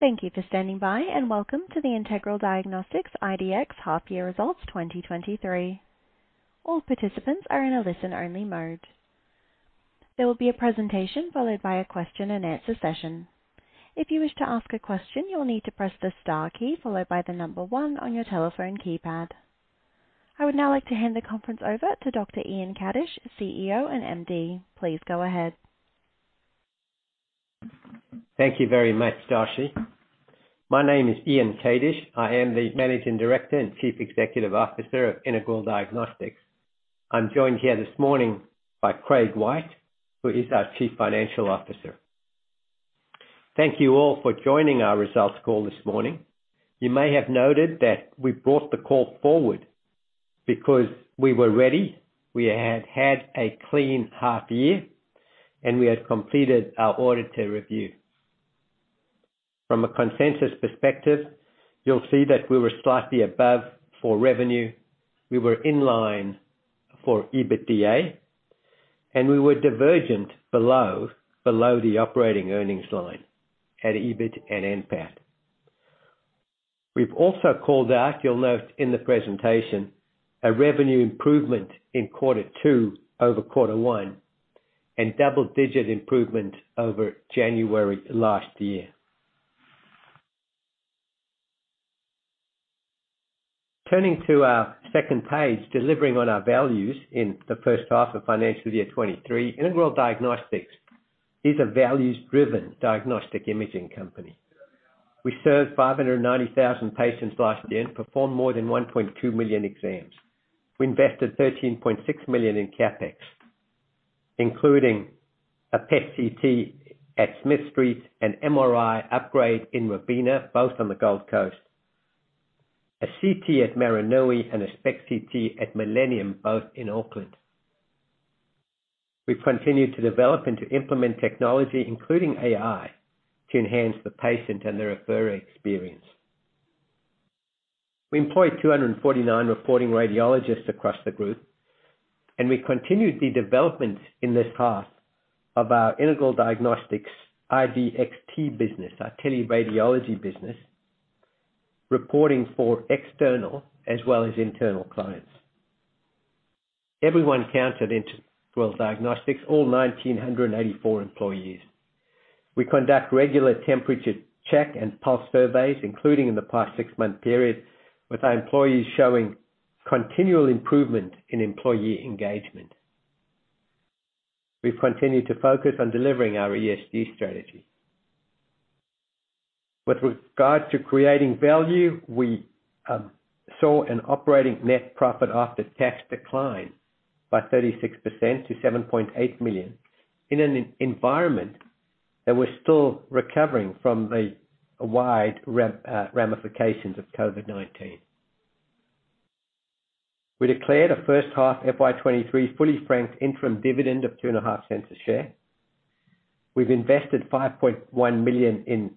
Thank you for standing by, and welcome to the Integral Diagnostics IDX Half Year Results 2023. All participants are in a listen-only mode. There will be a presentation followed by a question and answer session. If you wish to ask a question, you will need to press the star key followed by the number one on your telephone keypad. I would now like to hand the conference over to Dr. Ian Kadish, CEO and MD. Please go ahead. Thank you very much, Darci. My name is Ian Kadish. I am the Managing Director and Chief Executive Officer of Integral Diagnostics. I'm joined here this morning by Craig White, who is our Chief Financial Officer. Thank you all for joining our results call this morning. You may have noted that we brought the call forward because we were ready, we had a clean half year, and we had completed our auditor review. From a consensus perspective, you'll see that we were slightly above for revenue. We were in line for EBITDA, and we were divergent below the operating earnings line at EBIT and NPAT. We've also called out, you'll note in the presentation, a revenue improvement in quarter two over quarter one and double-digit improvement over January last year. Turning to our second page, delivering on our values in the first half of financial year 2023. Integral Diagnostics is a values-driven diagnostic imaging company. We served 590,000 patients last year and performed more than 1.2 million exams. We invested 13.6 million in CapEx, including a PET/CT at Smith Street and MRI upgrade in Robina, both on the Gold Coast. A CT at Maraenui and a spec CT at Millennium, both in Auckland. We've continued to develop and to implement technology, including AI, to enhance the patient and the referrer experience. We employ 249 reporting radiologists across the group, and we continued the development in this half of our Integral Diagnostics IDXt business, our teleradiology business, reporting for external as well as internal clients. Everyone counts at Integral Diagnostics, all 1,984 employees. We conduct regular temperature check and pulse surveys, including in the past six-month period, with our employees showing continual improvement in employee engagement. We've continued to focus on delivering our ESG strategy. With regard to creating value, we saw an operating net profit after tax decline by 36% to 7.8 million in an environment that we're still recovering from the wide ramifications of COVID-19. We declared a first half FY2023 fully franked interim dividend of two and a half cents a share. We've invested 5.1 million in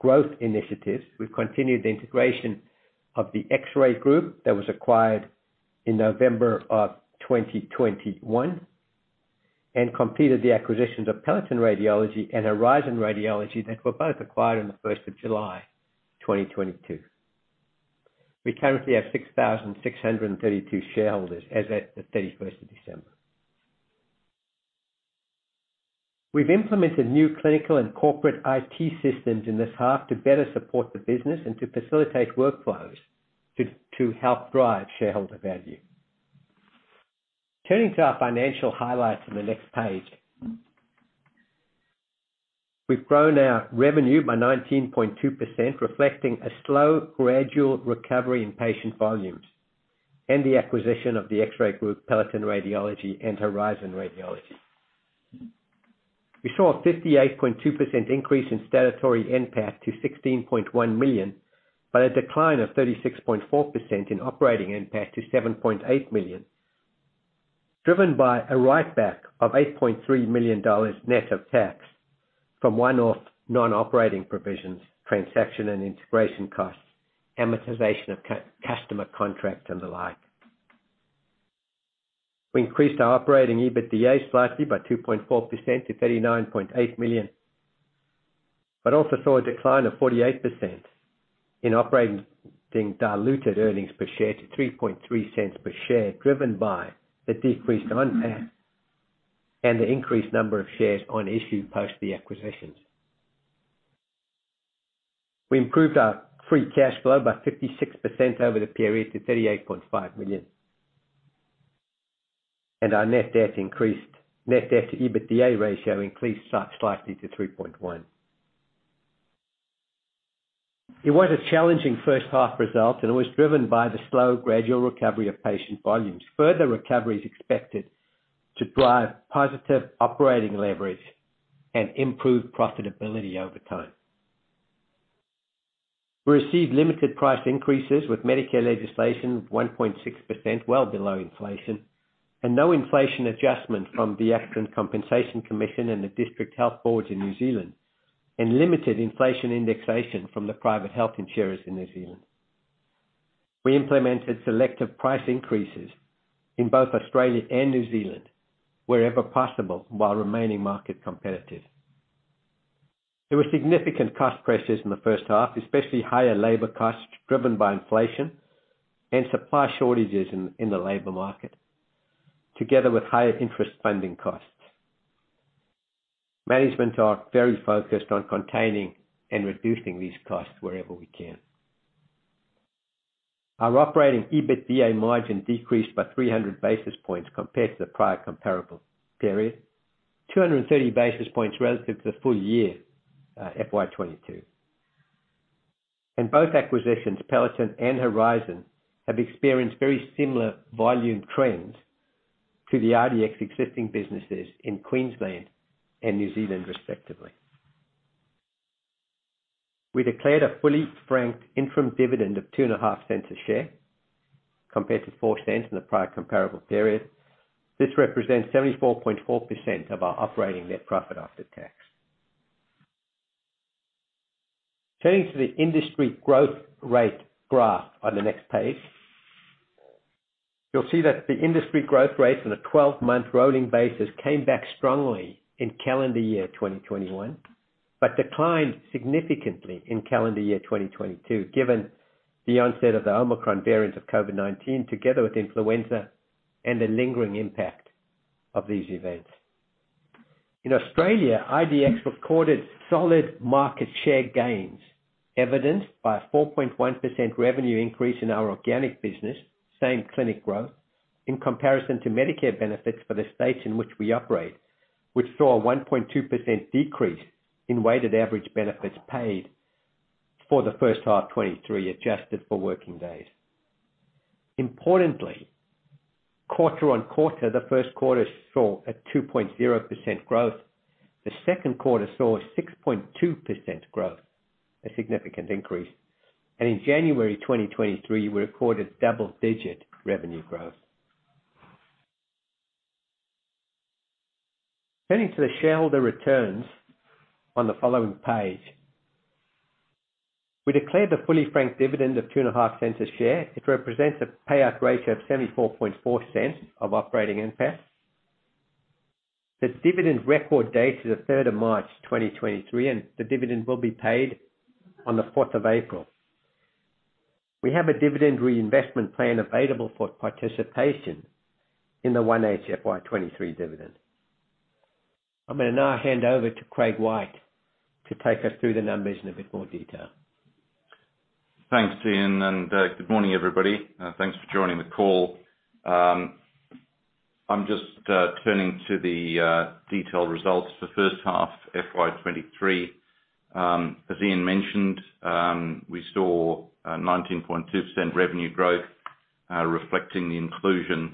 growth initiatives. We've continued the integration of The X-Ray Group that was acquired in November of 2021 and completed the acquisitions of Peloton Radiology and Horizon Radiology that were both acquired on the 1st of July 2022. We currently have 6,632 shareholders as at the 31st of December. We've implemented new clinical and corporate IT systems in this half to better support the business and to facilitate workflows to help drive shareholder value. Turning to our financial highlights on the next page. We've grown our revenue by 19.2%, reflecting a slow gradual recovery in patient volumes and the acquisition of The X-Ray Group, Peloton Radiology and Horizon Radiology. We saw a 58.2% increase in statutory NPAT to 16.1 million, a decline of 36.4% in operating NPAT to 7.8 million. Driven by a write-back of 8.3 million dollars net of tax from one-off non-operating provisions, transaction and integration costs, amortization of customer contract and the like. We increased our operating EBITDA slightly by 2.4% to 39.8 million, also saw a decline of 48% in operating diluted earnings per share to 0.033 per share, driven by the decreased NPAT and the increased number of shares on issue post the acquisitions. We improved our free cash flow by 56% over the period to 38.5 million. Our net debt increased. Net debt to EBITDA ratio increased slightly to 3.1. It was a challenging first half result, it was driven by the slow gradual recovery of patient volumes. Further recovery is expected to drive positive operating leverage and improve profitability over time. We received limited price increases with Medicare legislation of 1.6%, well below inflation, and no inflation adjustment from the Accident Compensation Corporation and the District Health Boards in New Zealand, and limited inflation indexation from the private health insurers in New Zealand. We implemented selective price increases in both Australia and New Zealand wherever possible while remaining market competitive. There were significant cost pressures in the first half, especially higher labor costs driven by inflation and supply shortages in the labor market, together with higher interest funding costs. Management are very focused on containing and reducing these costs wherever we can. Our operating EBITDA margin decreased by 300 basis points compared to the prior comparable period. 230 basis points relative to the full year, FY2022. Both acquisitions, Peloton and Horizon, have experienced very similar volume trends to the IDX existing businesses in Queensland and New Zealand respectively. We declared a fully franked interim dividend of 0.025 a share, compared to 0.04 in the prior comparable period. This represents 74.4% of our operating net profit after tax. Turning to the industry growth rate graph on the next page. You'll see that the industry growth rate on a 12-month rolling basis came back strongly in calendar year 2021, but declined significantly in calendar year 2022, given the onset of the Omicron variant of COVID-19, together with influenza and the lingering impact of these events. In Australia, IDX recorded solid market share gains, evidenced by a 4.1% revenue increase in our organic business, same clinic growth, in comparison to Medicare benefits for the states in which we operate, which saw a 1.2% decrease in weighted average benefits paid for the first half 2023, adjusted for working days. Importantly, quarter-on-quarter, the 1st quarter saw a 2.0% growth. The second quarter saw a 6.2% growth, a significant increase. In January 2023, we recorded double-digit revenue growth. Turning to the shareholder returns on the following page. We declared a fully franked dividend of 0.025 a share. It represents a payout ratio of 0.744 of operating NPAT. The dividend record date is the 3rd of March 2023, and the dividend will be paid on the 4th of April. We have a dividend reinvestment plan available for participation in the 1HFY2023 dividend. I'm gonna now hand over to Craig White to take us through the numbers in a bit more detail. Good morning, everybody. Thanks for joining the call. I'm just turning to the detailed results for first half FY2023. As Ian mentioned, we saw a 19.2% revenue growth, reflecting the inclusion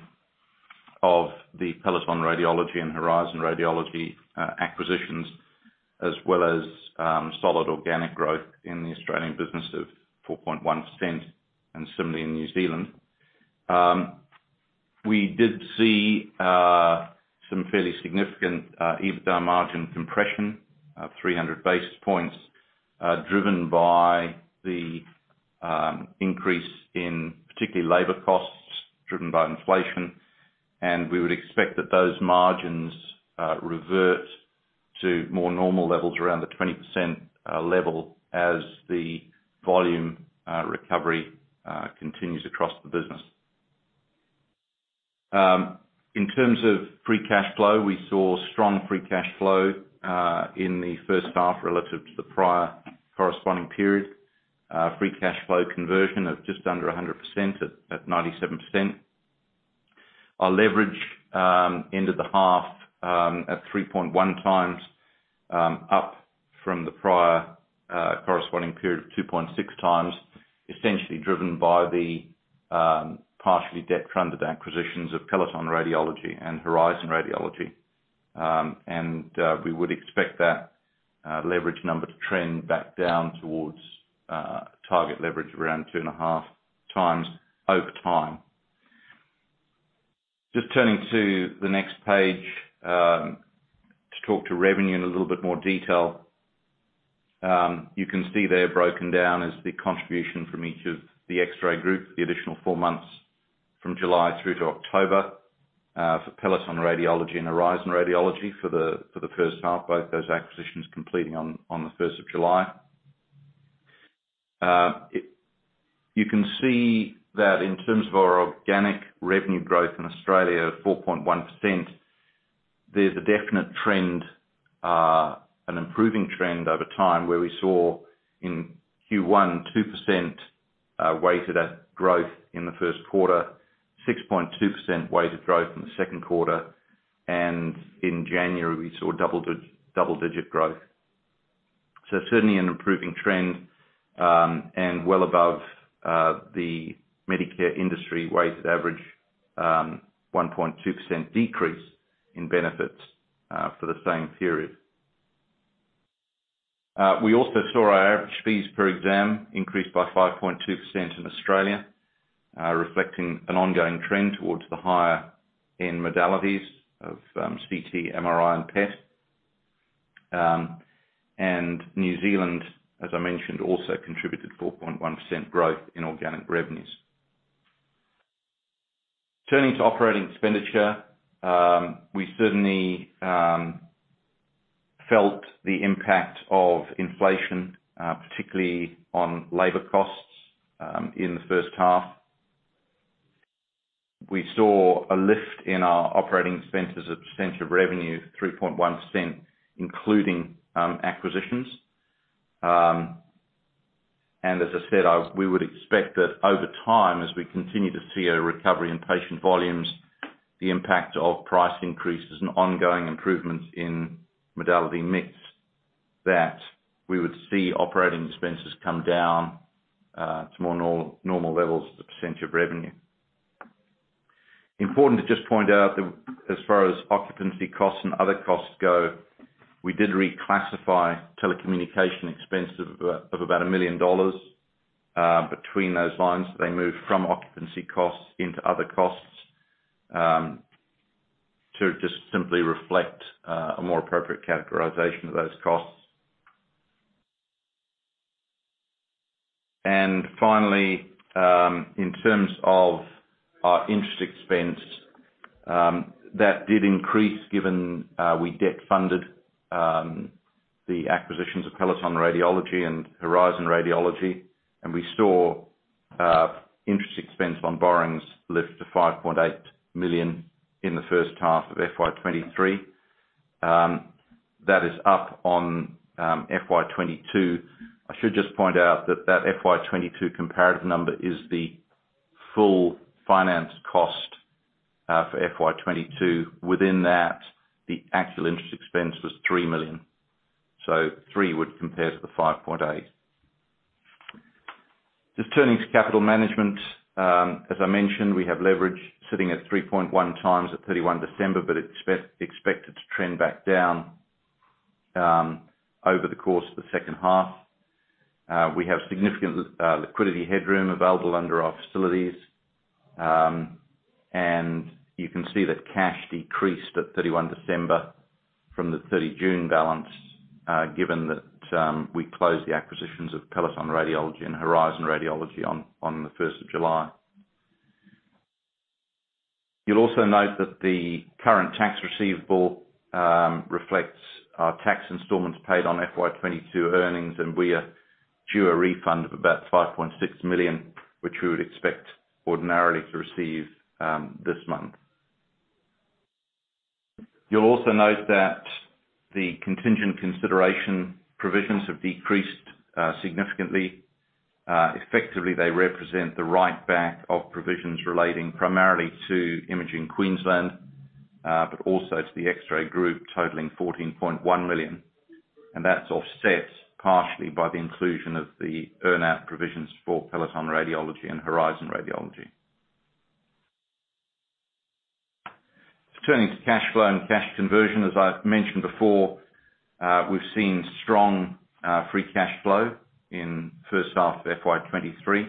of the Peloton Radiology and Horizon Radiology acquisitions, as well as solid organic growth in the Australian business of 4.1%, and similarly in New Zealand. We did see some fairly significant EBITDA margin compression of 300 basis points, driven by the increase in particularly labor costs driven by inflation. We would expect that those margins revert to more normal levels around the 20% level as the volume recovery continues across the business. In terms of free cash flow, we saw strong free cash flow in the first half relative to the prior corresponding period. Free cash flow conversion of just under 100% at 97%. Our leverage ended the half at 3.1x up from the prior corresponding period of 2.6x, essentially driven by the partially debt-funded acquisitions of Peloton Radiology and Horizon Radiology. We would expect that leverage number to trend back down towards target leverage around 2.5x over time. Just turning to the next page to talk to revenue in a little bit more detail. You can see there broken down is the contribution from each of The X-Ray Group, the additional four months from July through to October, for Peloton Radiology and Horizon Radiology for the, for the first half, both those acquisitions completing on the 1st of July. You can see that in terms of our organic revenue growth in Australia of 4.1%, there's a definite trend, an improving trend over time, where we saw in Q1 2% weighted at growth in the first quarter, 6.2% weighted growth in the second quarter, and in January, we saw double-digit growth. Certainly an improving trend, and well above the Medicare industry weighted average, 1.2% decrease in benefits for the same period. We also saw our average fees per exam increase by 5.2% in Australia, reflecting an ongoing trend towards the higher-end modalities of CT, MRI, and PET. And New Zealand, as I mentioned, also contributed 4.1% growth in organic revenues. Turning to operating expenditure, we certainly felt the impact of inflation, particularly on labor costs, in the first half. We saw a lift in our operating expenses as a percent of revenue, 3.1%, including acquisitions. As I said, we would expect that over time, as we continue to see a recovery in patient volumes, the impact of price increases and ongoing improvements in modality mix, that we would see operating expenses come down to more normal levels as a percent of revenue. Important to just point out that as far as occupancy costs and other costs go, we did reclassify telecommunication expense of about 1 million dollars between those lines. They moved from occupancy costs into other costs to just simply reflect a more appropriate categorization of those costs. Finally, in terms of our interest expense, that did increase given we debt funded the acquisitions of Peloton Radiology and Horizon Radiology, and we saw interest expense on borrowings lift to 5.8 million in the first half of FY2023. That is up on FY2022. I should just point out that that FY2022 comparative number is the full finance cost for FY2022. Within that, the actual interest expense was 3 million. three would compare to the 5.8. Just turning to capital management. As I mentioned, we have leverage sitting at 3.1 times at 31 December, but it's expected to trend back down over the course of the second half. We have significant liquidity headroom available under our facilities. You can see that cash decreased at 31 December from the 30 June balance, given that we closed the acquisitions of Peloton Radiology and Horizon Radiology on the 1st of July. You'll also note that the current tax receivable reflects our tax installments paid on FY2022 earnings, and we are due a refund of about 5.6 million, which we would expect ordinarily to receive this month. You'll also note that the contingent consideration provisions have decreased significantly. Effectively, they represent the write back of provisions relating primarily to Imaging Queensland, but also to The X-Ray Group, totaling 14.1 million. That's offset partially by the inclusion of the earn-out provisions for Peloton Radiology and Horizon Radiology. Turning to cash flow and cash conversion. As I've mentioned before, we've seen strong free cash flow in first half of FY2023,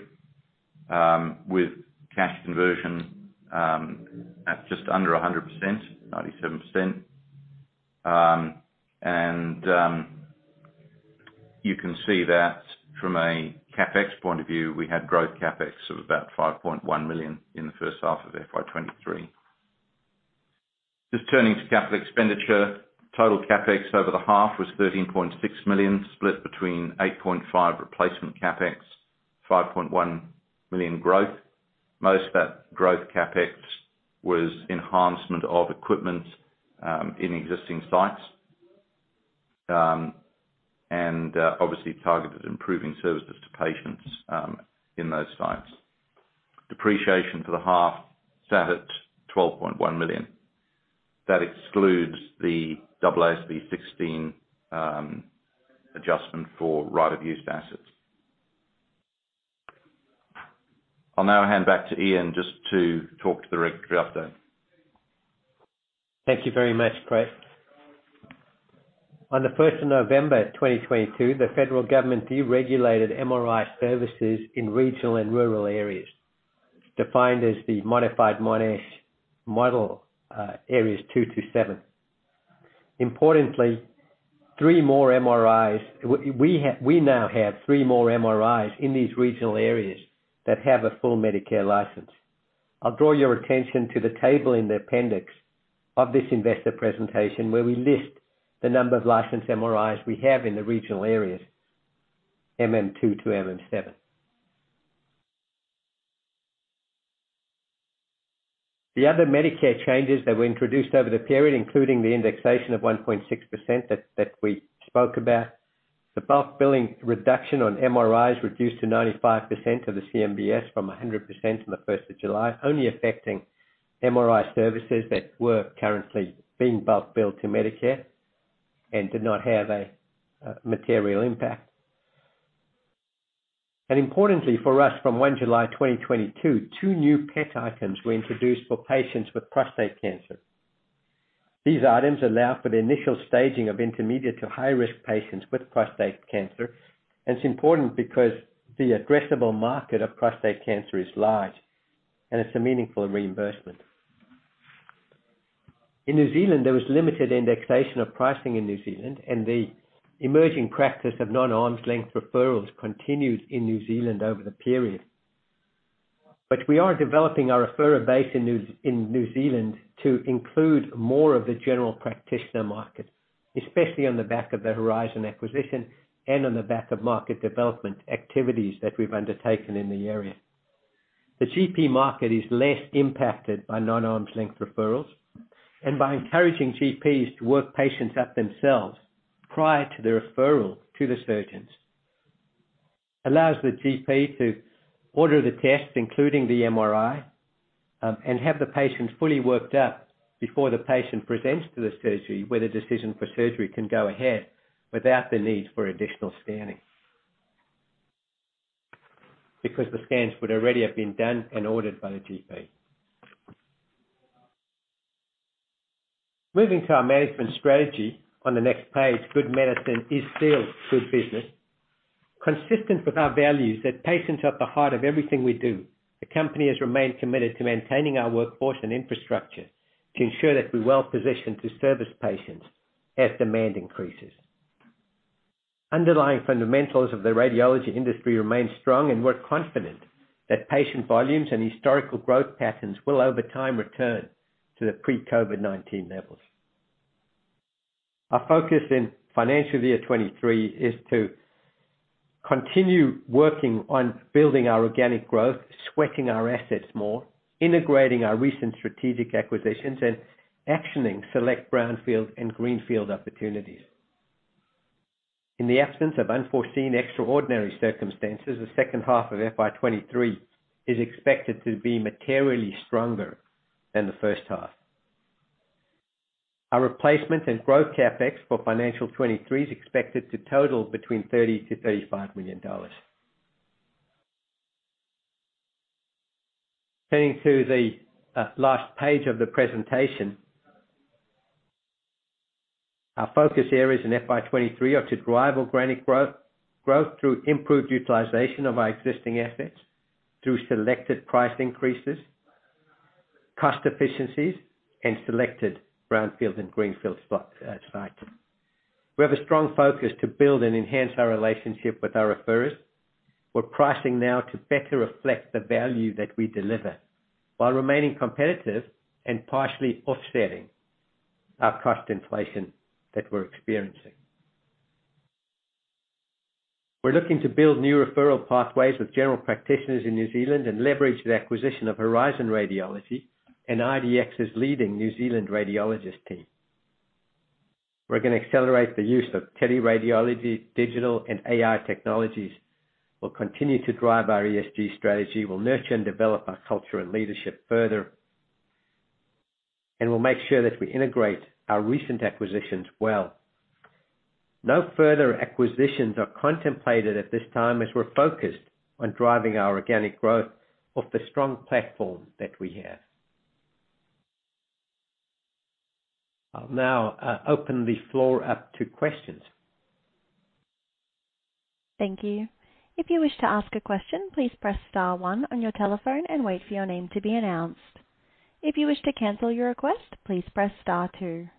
with cash conversion at just under 100%, 97%. You can see that from a CapEx point of view, we had growth CapEx of about 5.1 million in the first half of FY2023. Just turning to capital expenditure. Total CapEx over the half was 13.6 million, split between 8.5 million replacement CapEx, 5.1 million growth. Most of that growth CapEx was enhancement of equipment in existing sites. Obviously targeted improving services to patients in those sites. Depreciation for the half sat at 12.1 million. That excludes the AASB 16 adjustment for right of used assets. I'll now hand back to Ian just to talk to the regulatory update. Thank you very much, Craig. On the 1st November 2022, the federal government deregulated MRI services in regional and rural areas, defined as the Modified Monash Model, areas 2 to 7. Importantly, three more MRIs. We now have three more MRIs in these regional areas that have a full Medicare license. I'll draw your attention to the table in the appendix of this investor presentation, where we list the number of licensed MRIs we have in the regional areas, MM 2 to MM 7. The other Medicare changes that were introduced over the period, including the indexation of 1.6% that we spoke about. The bulk billing reduction on MRIs reduced to 95% of the MBS from 100% from the 1st of July, only affecting MRI services that were currently being bulk billed to Medicare and did not have a material impact. Importantly for us, from 1 July 2022, two new PET items were introduced for patients with prostate cancer. These items allow for the initial staging of intermediate to high-risk patients with prostate cancer, and it's important because the addressable market of prostate cancer is large, and it's a meaningful reimbursement. In New Zealand, there was limited indexation of pricing in New Zealand, and the emerging practice of non-arm's length referrals continued in New Zealand over the period. We are developing our referrer base in New Zealand to include more of the general practitioner market, especially on the back of the Horizon acquisition and on the back of market development activities that we've undertaken in the area. The GP market is less impacted by non-arm's length referrals, and by encouraging GPs to work patients up themselves prior to the referral to the surgeons. Allows the GP to order the tests, including the MRI, and have the patient fully worked up before the patient presents to the surgery, where the decision for surgery can go ahead without the need for additional scanning. Because the scans would already have been done and ordered by the GP. Moving to our management strategy on the next page. Good medicine is still good business. Consistent with our values that patients are at the heart of everything we do, the company has remained committed to maintaining our workforce and infrastructure to ensure that we're well-positioned to service patients as demand increases. Underlying fundamentals of the radiology industry remain strong. We're confident that patient volumes and historical growth patterns will over time return to the pre-COVID-19 levels. Our focus in financial year 2023 is to continue working on building our organic growth, sweating our assets more, integrating our recent strategic acquisitions, and actioning select brownfield and greenfield opportunities. In the absence of unforeseen extraordinary circumstances, the second half of FY2023 is expected to be materially stronger than the first half. Our replacement and growth CapEx for financial 2023 is expected to total between 30 million-35 million dollars. Turning to the last page of the presentation. Our focus areas in FY2023 are to drive organic growth through improved utilization of our existing assets through selected price increases, cost efficiencies and selected brownfield and greenfield sites. We have a strong focus to build and enhance our relationship with our referrers. We're pricing now to better reflect the value that we deliver while remaining competitive and partially offsetting our cost inflation that we're experiencing. We're looking to build new referral pathways with general practitioners in New Zealand and leverage the acquisition of Horizon Radiology and IDX's leading New Zealand radiologist team. We're gonna accelerate the use of teleradiology, digital and AI technologies. We'll continue to drive our ESG strategy. We'll nurture and develop our culture and leadership further. We'll make sure that we integrate our recent acquisitions well. No further acquisitions are contemplated at this time, as we're focused on driving our organic growth of the strong platform that we have. I'll now open the floor up to questions. Thank you. If you wish to ask a question, please press star one on your telephone and wait for your name to be announced. If you wish to cancel your request, please press star two.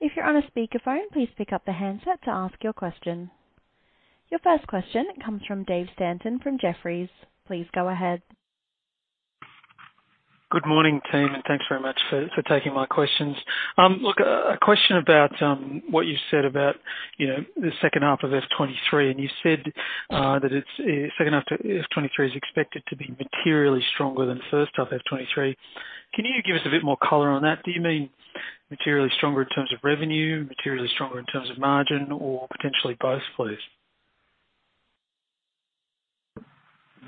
If you're on a speakerphone, please pick up the handset to ask your question. Your first question comes from David Stanton from Jefferies. Please go ahead. Good morning, team, and thanks very much for taking my questions. Look, a question about what you said about the second half of FY2023, and you said that it is expected to be materially stronger than first half FY2023. Can you give us a bit more color on that? Do you mean materially stronger in terms of revenue, materially stronger in terms of margin or potentially both, please?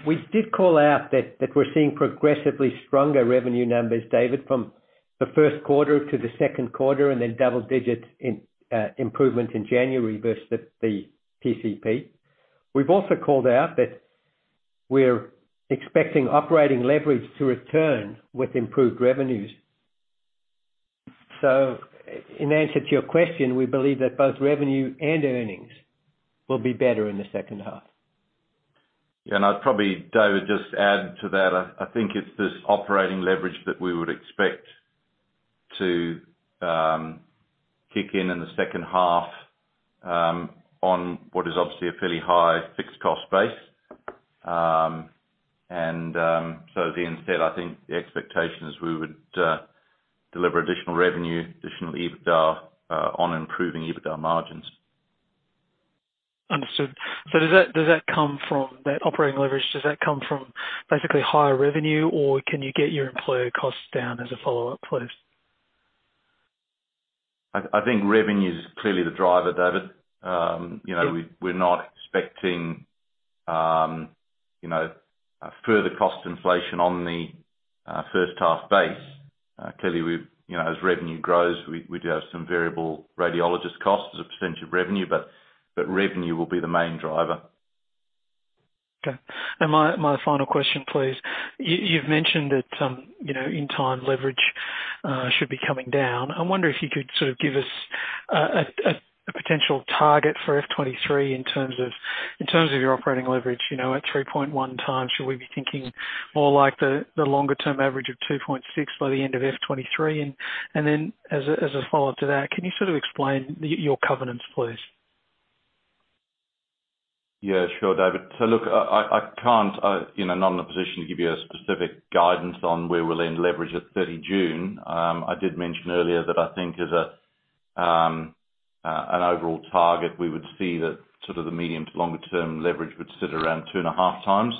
We did call out that we're seeing progressively stronger revenue numbers, David, from the first quarter to the second quarter and then double digits in improvement in January versus the PCP. We've also called out that we're expecting operating leverage to return with improved revenues. In answer to your question, we believe that both revenue and earnings will be better in the second half. I'd probably, David, just add to that. I think it's this operating leverage that we would expect to kick in in the second half on what is obviously a fairly high fixed cost base. As Ian said, I think the expectation is we would deliver additional revenue, additional EBITDA, on improving EBITDA margins. Understood. That operating leverage, does that come from basically higher revenue or can you get your employer costs down as a follow-up, please? I think revenue is clearly the driver, David. You know. Yeah. We're not expecting, you know, further cost inflation on the first half base. Clearly you know, as revenue grows, we do have some variable radiologist costs as a percentage of revenue, but revenue will be the main driver. Okay. My final question, please. You've mentioned that, you know, in time leverage should be coming down. I wonder if you could sort of give us a potential target for FY2023 in terms of your operating leverage, you know, at 3.1x, should we be thinking more like the longer term average of 2.6 by the end of FY2023? Then as a follow-up to that, can you sort of explain your covenants, please? Yeah, sure, David. Look, I can't, you know, not in a position to give you a specific guidance on where we'll end leverage at 30 June. I did mention earlier that I think as an overall target, we would see that sort of the medium to longer term leverage would sit around 2.5x.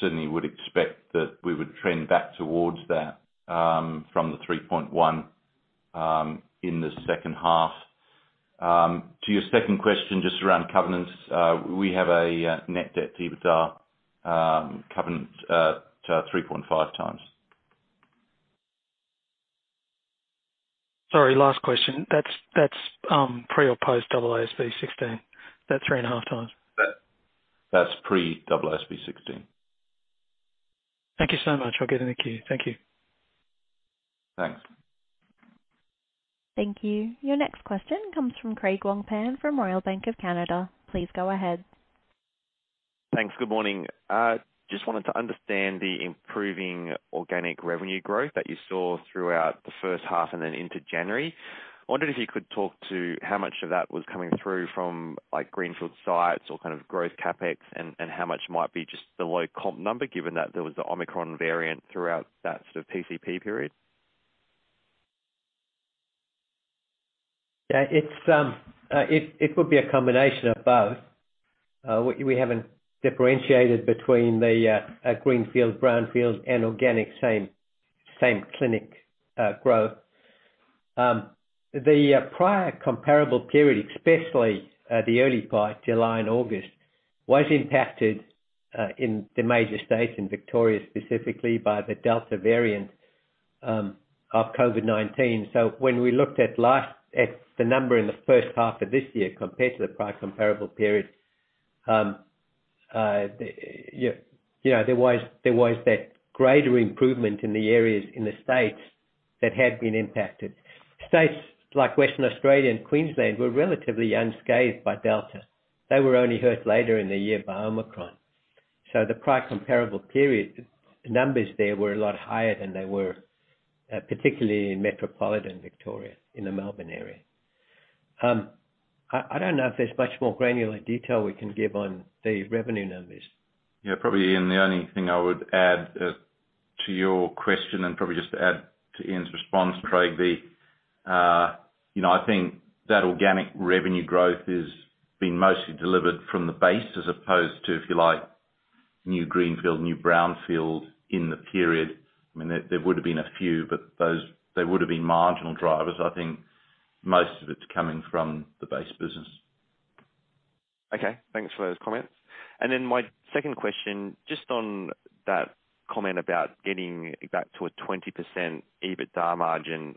Certainly would expect that we would trend back towards that from the 3.1 in the second half. To your second question, just around covenants, we have a net debt to EBITDA covenant to 3.5x. Sorry, last question. That's pre or post AASB 16, that is 3.5x? That's pre AASB 16. Thank you so much. We'll get in the queue. Thank you. Thanks. Thank you. Your next question comes from Craig Wong-Pan from Royal Bank of Canada. Please go ahead. Thanks. Good morning. Just wanted to understand the improving organic revenue growth that you saw throughout the first half and then into January. I wondered if you could talk to how much of that was coming through from, like, greenfield sites or kind of growth CapEx and how much might be just the low comp number, given that there was the Omicron variant throughout that sort of PCP period. Yeah, it would be a combination of both. We haven't differentiated between the greenfield, brownfield and organic same clinic growth. The prior comparable period, especially the early part, July and August, was impacted in the major states and Victoria specifically by the Delta variant of COVID-19. When we looked at the number in the first half of this year compared to the prior comparable period, you know, there was that greater improvement in the areas in the states that had been impacted. States like Western Australia and Queensland were relatively unscathed by Delta. They were only hurt later in the year by Omicron. The prior comparable period numbers there were a lot higher than they were, particularly in metropolitan Victoria, in the Melbourne area. I don't know if there's much more granular detail we can give on the revenue numbers. Yeah, probably, Ian, the only thing I would add to your question and probably just to add to Ian's response, Craig, you know, I think that organic revenue growth is being mostly delivered from the base as opposed to, if you like, new greenfield, new brownfield in the period. I mean, there would have been a few, but those, they would have been marginal drivers. I think most of it's coming from the base business. Okay, thanks for those comments. My second question, just on that comment about getting back to a 20% EBITDA margin,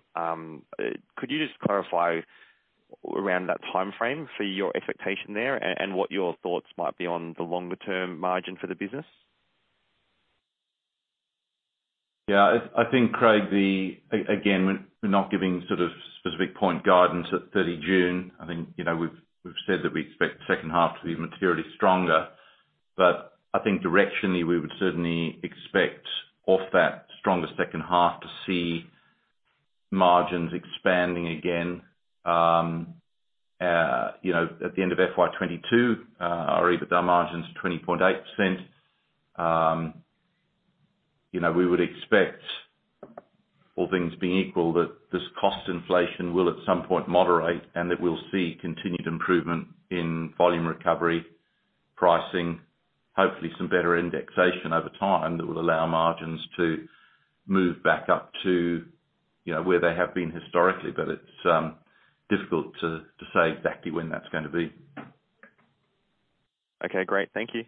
could you just clarify around that timeframe for your expectation there and what your thoughts might be on the longer term margin for the business? I think, Craig, again, we're not giving sort of specific point guidance at 30 June. I think, you know, we've said that we expect the second half to be materially stronger. I think directionally, we would certainly expect off that stronger second half to see margins expanding again, you know, at the end of FY2022, our EBITDA margins are 20.8%. You know, we would expect, all things being equal, that this cost inflation will at some point moderate and that we'll see continued improvement in volume recovery, pricing, hopefully some better indexation over time that will allow margins to move back up to, you know, where they have been historically. It's difficult to say exactly when that's gonna be. Okay, great. Thank you.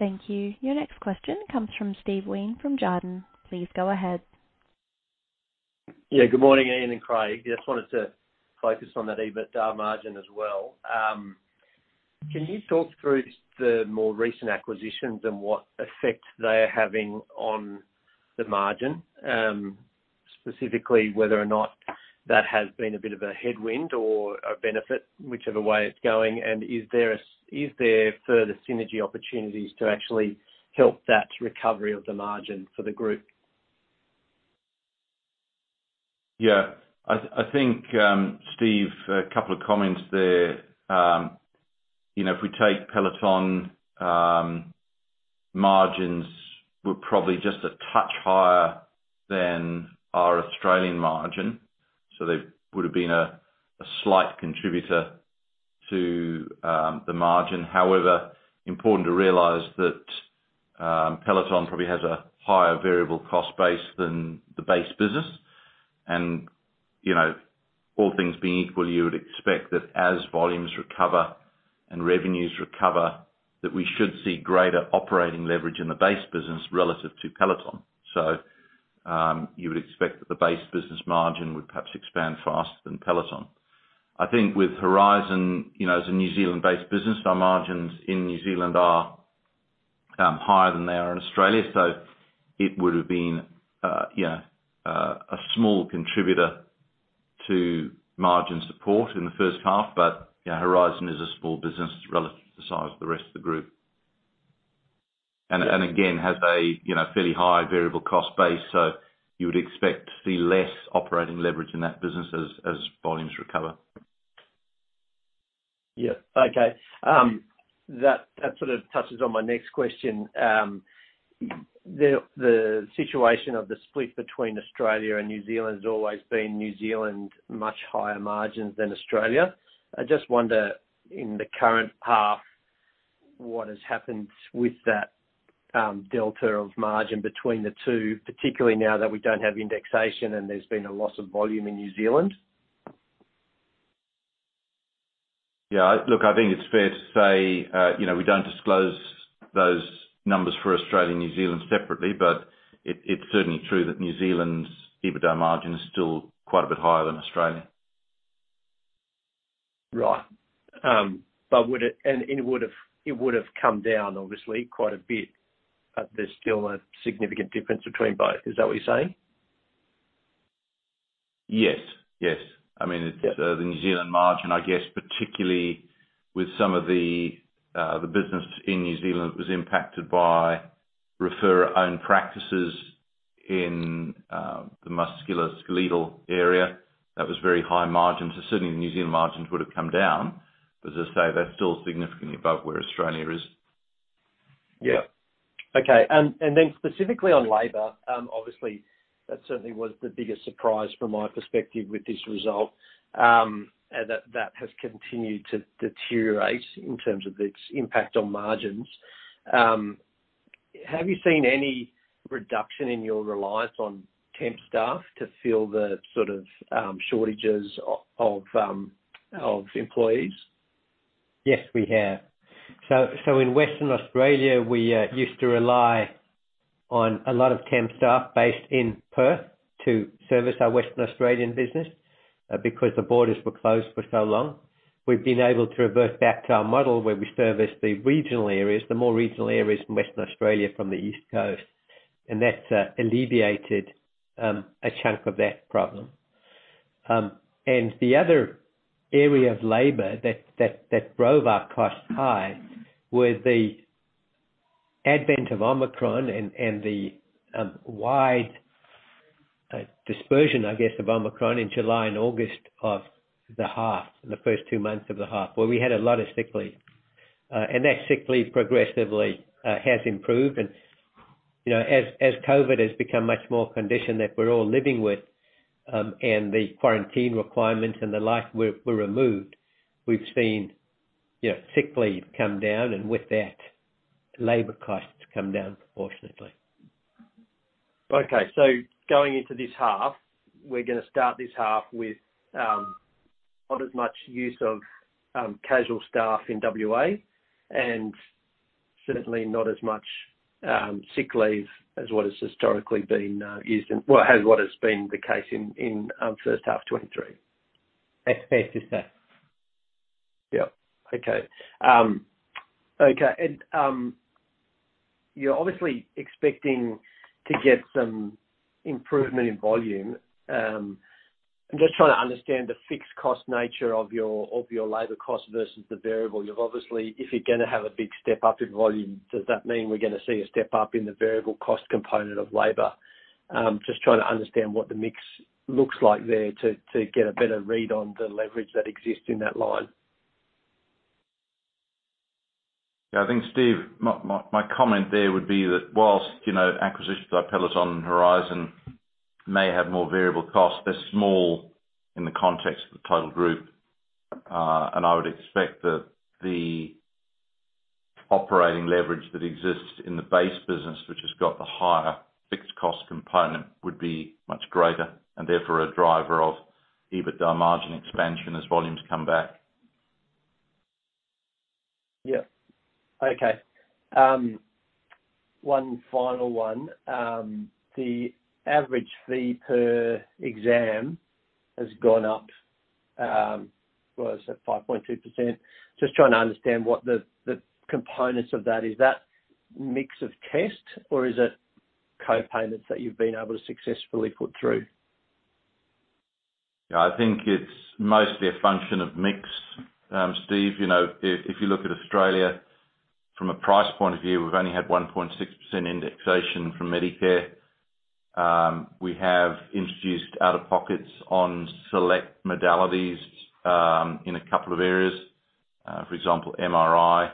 Thank you. Your next question comes from Steven Wheen from Jarden. Please go ahead. Good morning, Ian and Craig. Just wanted to focus on that EBITDA margin as well. Can you talk through the more recent acquisitions and what effect they are having on the margin, specifically whether or not that has been a bit of a headwind or a benefit, whichever way it's going? Is there further synergy opportunities to actually help that recovery of the margin for the group? Yeah. I think, Steve, a couple of comments there. You know, if we take Peloton, margins were probably just a touch higher than our Australian margin, so they would have been a slight contributor to the margin. However, important to realize that Peloton probably has a higher variable cost base than the base business. You know, all things being equal, you would expect that as volumes recover and revenues recover, that we should see greater operating leverage in the base business relative to Peloton. You would expect that the base business margin would perhaps expand faster than Peloton. I think with Horizon, you know, as a New Zealand-based business, our margins in New Zealand are higher than they are in Australia. So it would've been, you know, a small contributor to margin support in the first half. You know, Horizon is a small business. It's relative to the size of the rest of the group. Again, has a fairly high variable cost base. You would expect to see less operating leverage in that business as volumes recover. Yeah. Okay. That sort of touches on my next question. The situation of the split between Australia and New Zealand has always been New Zealand, much higher margins than Australia. I just wonder in the current half, what has happened with that delta of margin between the two, particularly now that we don't have indexation and there's been a loss of volume in New Zealand? Yeah. Look, I think it's fair to say, you know, we don't disclose those numbers for Australia and New Zealand separately, but it's certainly true that New Zealand's EBITDA margin is still quite a bit higher than Australia. Right. It would've come down obviously quite a bit, but there's still a significant difference between both. Is that what you're saying? Yes. I mean. Yeah. The New Zealand margin, I guess particularly with some of the business in New Zealand was impacted by referrer-owned practices in the musculoskeletal area that was very high margin. Certainly the New Zealand margins would've come down, but as I say, they're still significantly above where Australia is. Yeah. Okay. Specifically on labor, obviously that certainly was the biggest surprise from my perspective with this result. That has continued to deteriorate in terms of its impact on margins. Have you seen any reduction in your reliance on temp staff to fill the sort of, shortages of employees? Yes, we have. So in Western Australia, we used to rely on a lot of temp staff based in Perth to service our Western Australian business. Because the borders were closed for so long, we've been able to revert back to our model where we service the regional areas, the more regional areas from Western Australia from the East Coast. That's alleviated a chunk of that problem. The other area of labor that drove our costs high was the advent of Omicron and the wide dispersion, I guess of Omicron in July and August of the half, in the first two months of the half, where we had a lot of sick leave. That sick leave progressively has improved. You know, as COVID has become much more conditioned that we're all living with, and the quarantine requirements and the like were removed, we've seen, you know, sick leave come down and with that labor costs come down proportionately. Okay. Going into this half, we're gonna start this half with not as much use of casual staff in WA and certainly not as much sick leave as what has historically been used and well, has what has been the case in first half 2023. That's fair to say. Yep. Okay. You are obviously expecting to get some improvement in volume. I'm just trying to understand the fixed cost nature of your, of your labor cost versus the variable. You've obviously, if you're gonna have a big step up in volume, does that mean we're gonna see a step up in the variable cost component of labor? Just trying to understand what the mix looks like there to get a better read on the leverage that exists in that line. Yeah, I think, Steve, my comment there would be that whilst, you know, acquisitions like Peloton and Horizon may have more variable costs, they're small in the context of the total group. I would expect that the operating leverage that exists in the base business, which has got the higher fixed cost component, would be much greater, and therefore a driver of EBITDA margin expansion as volumes come back. Yeah. Okay. one final one. The average fee per exam has gone up, what was it? 5.2%. Just trying to understand what the components of that. Is that mix of tests or is it co-payments that you've been able to successfully put through? Yeah, I think it's mostly a function of mix. Steve, you know, if you look at Australia from a price point of view, we've only had 1.6% indexation from Medicare. We have introduced out-of-pockets on select modalities, in a couple of areas, for example, MRI,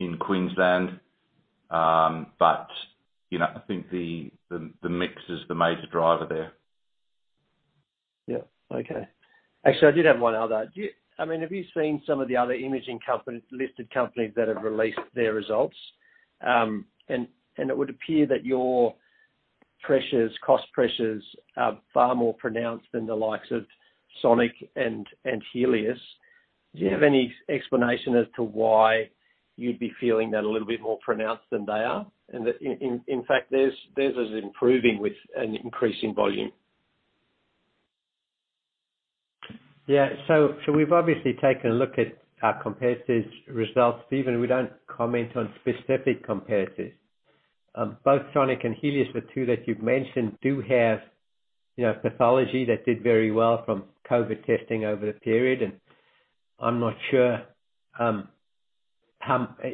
in Queensland. You know, I think the, the mix is the major driver there. Yeah. Okay. Actually, I did have one other. I mean, have you seen some of the other imaging companies, listed companies that have released their results? It would appear that your pressures, cost pressures are far more pronounced than the likes of Sonic and Healius. Do you have any explanation as to why you'd be feeling that a little bit more pronounced than they are? That in fact, theirs is improving with an increase in volume. Yeah. We've obviously taken a look at our competitors' results. Steven, we don't comment on specific competitors. Both Sonic and Healius, the two that you've mentioned, do have, you know, pathology that did very well from COVID testing over the period. I'm not sure, how,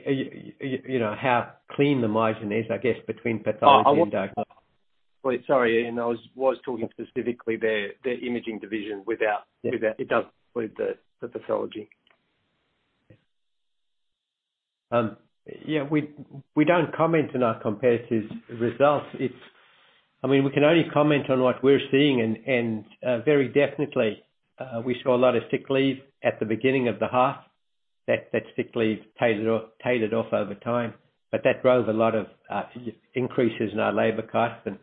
you know, how clean the margin is, I guess, between pathology and diagnostics. Oh, Wait, sorry, Ian. I was talking specifically their imaging division without. Yeah. It does with the pathology. Yeah. We, we don't comment on our competitors' results. I mean, we can only comment on what we're seeing and, very definitely, we saw a lot of sick leave at the beginning of the half. That sick leave tapered off over time. That drove a lot of increases in our labor costs and,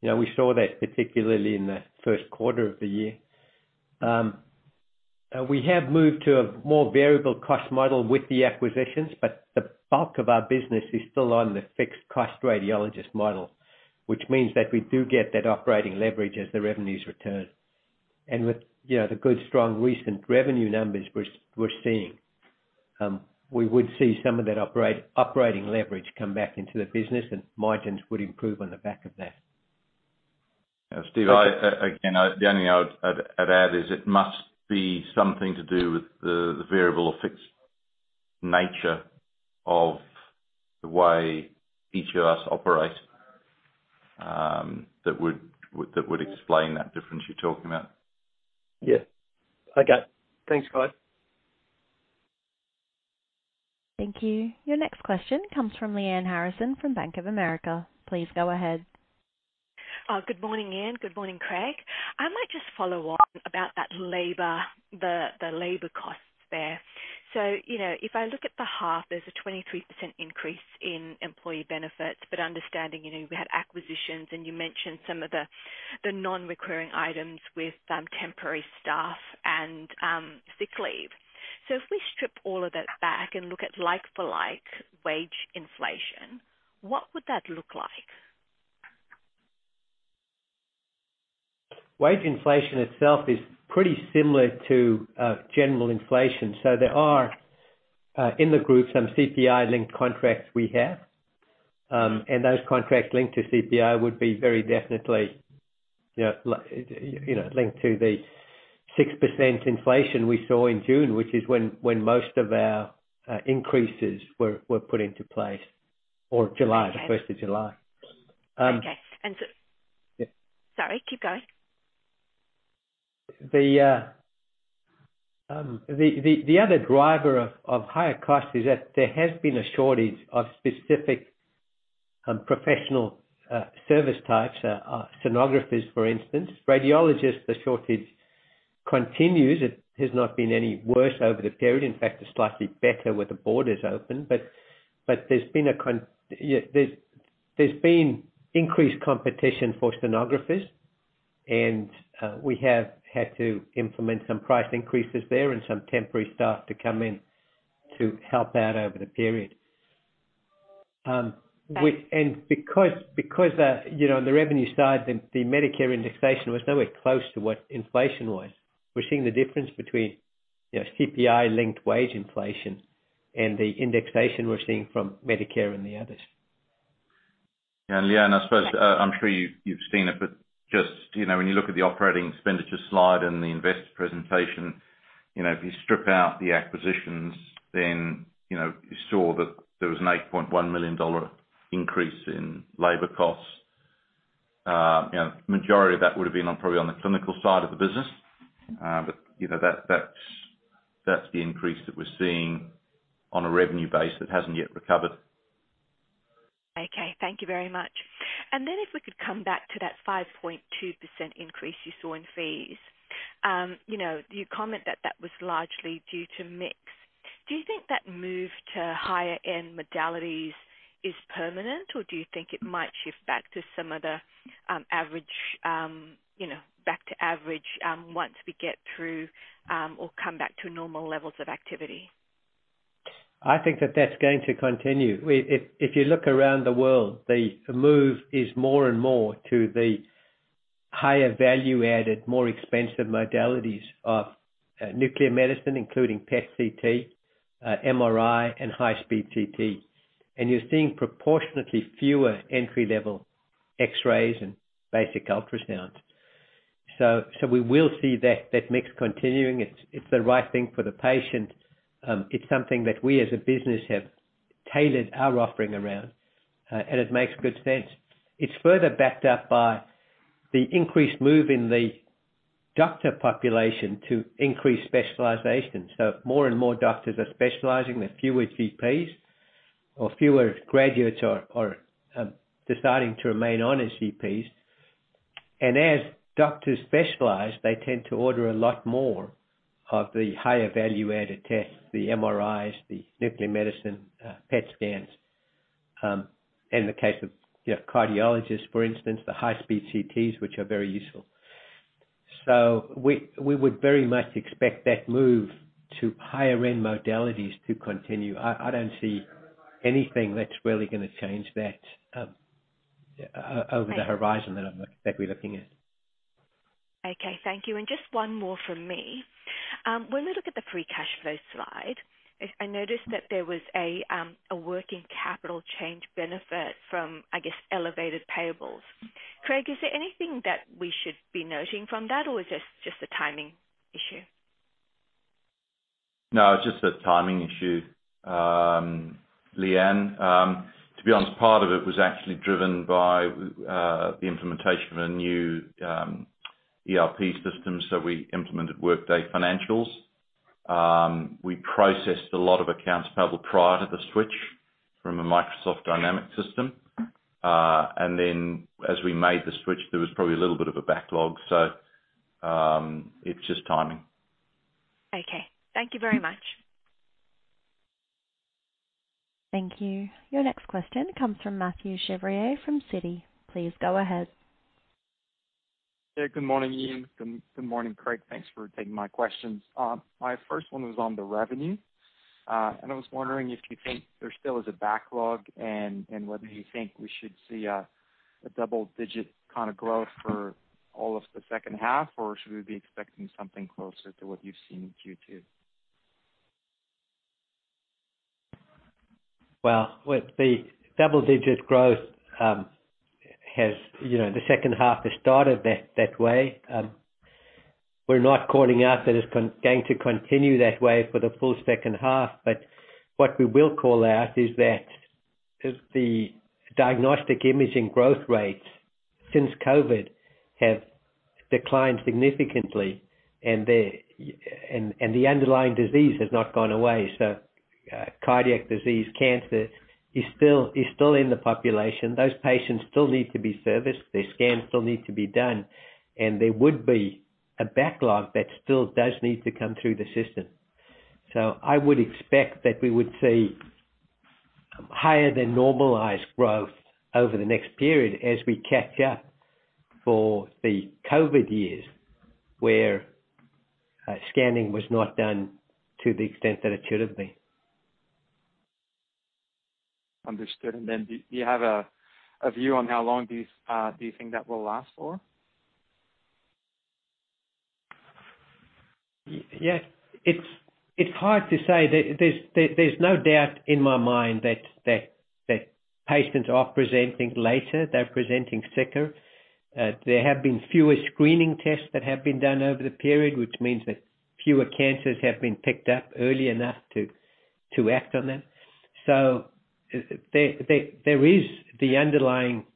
you know, we saw that particularly in the first quarter of the year. We have moved to a more variable cost model with the acquisitions, but the bulk of our business is still on the fixed cost radiologist model. Which means that we do get that operating leverage as the revenues return. With, you know, the good, strong recent revenue numbers we're seeing, we would see some of that operating leverage come back into the business and margins would improve on the back of that. Steven, I again, I, the only thing I'd add is it must be something to do with the variable or fixed nature of the way each of us operate, that would explain that difference you're talking about. Yeah. Okay. Thanks, guys. Thank you. Your next question comes from Lyanne Harrison from Bank of America. Please go ahead. Good morning, Ian. Good morning, Craig. I might just follow on about that labor, the labor costs there. You know, if I look at the half, there's a 23% increase in employee benefits. Understanding, you know, we had acquisitions, and you mentioned some of the non-recurring items with some temporary staff and sick leave. If we strip all of that back and look at like for like wage inflation, what would that look like? Wage inflation itself is pretty similar to general inflation. There are in the group, some CPI-linked contracts we have. Those contracts linked to CPI would be very definitely, you know, linked to the 6% inflation we saw in June, which is when most of our increases were put into place or July. Okay. The first of July. Okay. Yeah. Sorry. Keep going. The other driver of higher costs is that there has been a shortage of specific professional service types, sonographers, for instance. Radiologists, the shortage continues. It has not been any worse over the period. In fact, it's slightly better with the borders open. There's been increased competition for sonographers, and we have had to implement some price increases there and some temporary staff to come in to help out over the period. Okay. Because, you know, on the revenue side, the Medicare indexation was nowhere close to what inflation was. We're seeing the difference between, you know, CPI-linked wage inflation and the indexation we're seeing from Medicare and the others. Lyanne, I suppose, I'm sure you've seen it, but just when you look at the operating expenditure slide and the investor presentation, you know, if you strip out the acquisitions, then, you know, you saw that there was an $8.1 million increase in labor costs. You know, majority of that would have been on, probably on the clinical side of the business. You know, that's, that's the increase that we're seeing on a revenue base that hasn't yet recovered. Okay. Thank you very much. If we could come back to that 5.2% increase you saw in fees. You know, you comment that that was largely due to mix. Do you think that move to higher end modalities is permanent, or do you think it might shift back to some other average, you know, back to average once we get through or come back to normal levels of activity? I think that that's going to continue. If you look around the world, the move is more and more to the higher value added, more expensive modalities of nuclear medicine, including PET/CT, MRI, and high-speed CT. You're seeing proportionately fewer entry-level X-rays and basic ultrasounds. So we will see that mix continuing. It's the right thing for the patient. It's something that we as a business have tailored our offering around. And it makes good sense. It's further backed up by the increased move in the doctor population to increase specialization. More and more doctors are specializing. There are fewer GPs or fewer graduates are deciding to remain on as GPs. As doctors specialize, they tend to order a lot more of the higher value added tests, the MRIs, the nuclear medicine, PET scans. In the case of, you have cardiologists, for instance, the high-speed CTs, which are very useful. We would very much expect that move to higher end modalities to continue. I don't see anything that's really gonna change that over the horizon that we're looking at. Okay, thank you. Just one more from me. When we look at the free cash flow slide, I noticed that there was a working capital change benefit from, I guess, elevated payables. Craig, is there anything that we should be noting from that or is this just a timing issue? No, it's just a timing issue. Lyanne, to be honest, part of it was actually driven by the implementation of a new ERP system. We implemented Workday Financials. We processed a lot of accounts payable prior to the switch from a Microsoft Dynamics system. As we made the switch, there was probably a little bit of a backlog, it's just timing. Okay. Thank you very much. Thank you. Your next question comes from Mathieu Chevrier from Citi. Please go ahead. Yeah, good morning, Ian. Good morning, Craig. Thanks for taking my questions. My first one was on the revenue. I was wondering if you think there still is a backlog and whether you think we should see a double-digit kind of growth for all of the second half, or should we be expecting something closer to what you've seen in Q2? With the double digits growth, you know, the second half has started that way. We're not calling out that it's going to continue that way for the full second half. What we will call out is that the diagnostic imaging growth rates since COVID have declined significantly, and the underlying disease has not gone away. Cardiac disease, cancer is still in the population. Those patients still need to be serviced, their scans still need to be done, and there would be a backlog that still does need to come through the system. I would expect that we would see higher than normalized growth over the next period as we catch up for the COVID years, where scanning was not done to the extent that it should have been. Understood. Do you have a view on how long do you think that will last for? Yes. It's hard to say. There's no doubt in my mind that patients are presenting later, they're presenting sicker. There have been fewer screening tests that have been done over the period, which means that fewer cancers have been picked up early enough to act on them. There is the underlying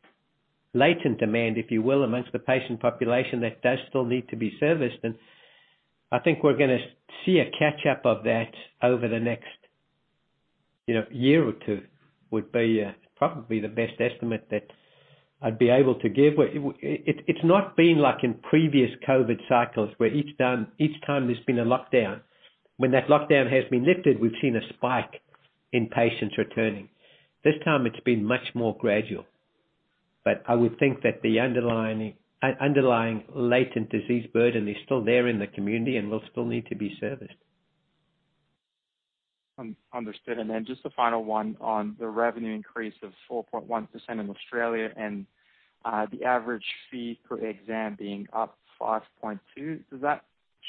latent demand, if you will, amongst the patient population that does still need to be serviced, and I think we're gonna see a catch up of that over the next, you know, year or two, would be probably the best estimate that I'd be able to give. It's not been like in previous COVID cycles where each time there's been a lockdown. When that lockdown has been lifted, we've seen a spike in patients returning. This time it's been much more gradual. I would think that the underlying latent disease burden is still there in the community and will still need to be serviced. Understood. Just a final one on the revenue increase of 4.1% in Australia and the average fee per exam being up 5.2%.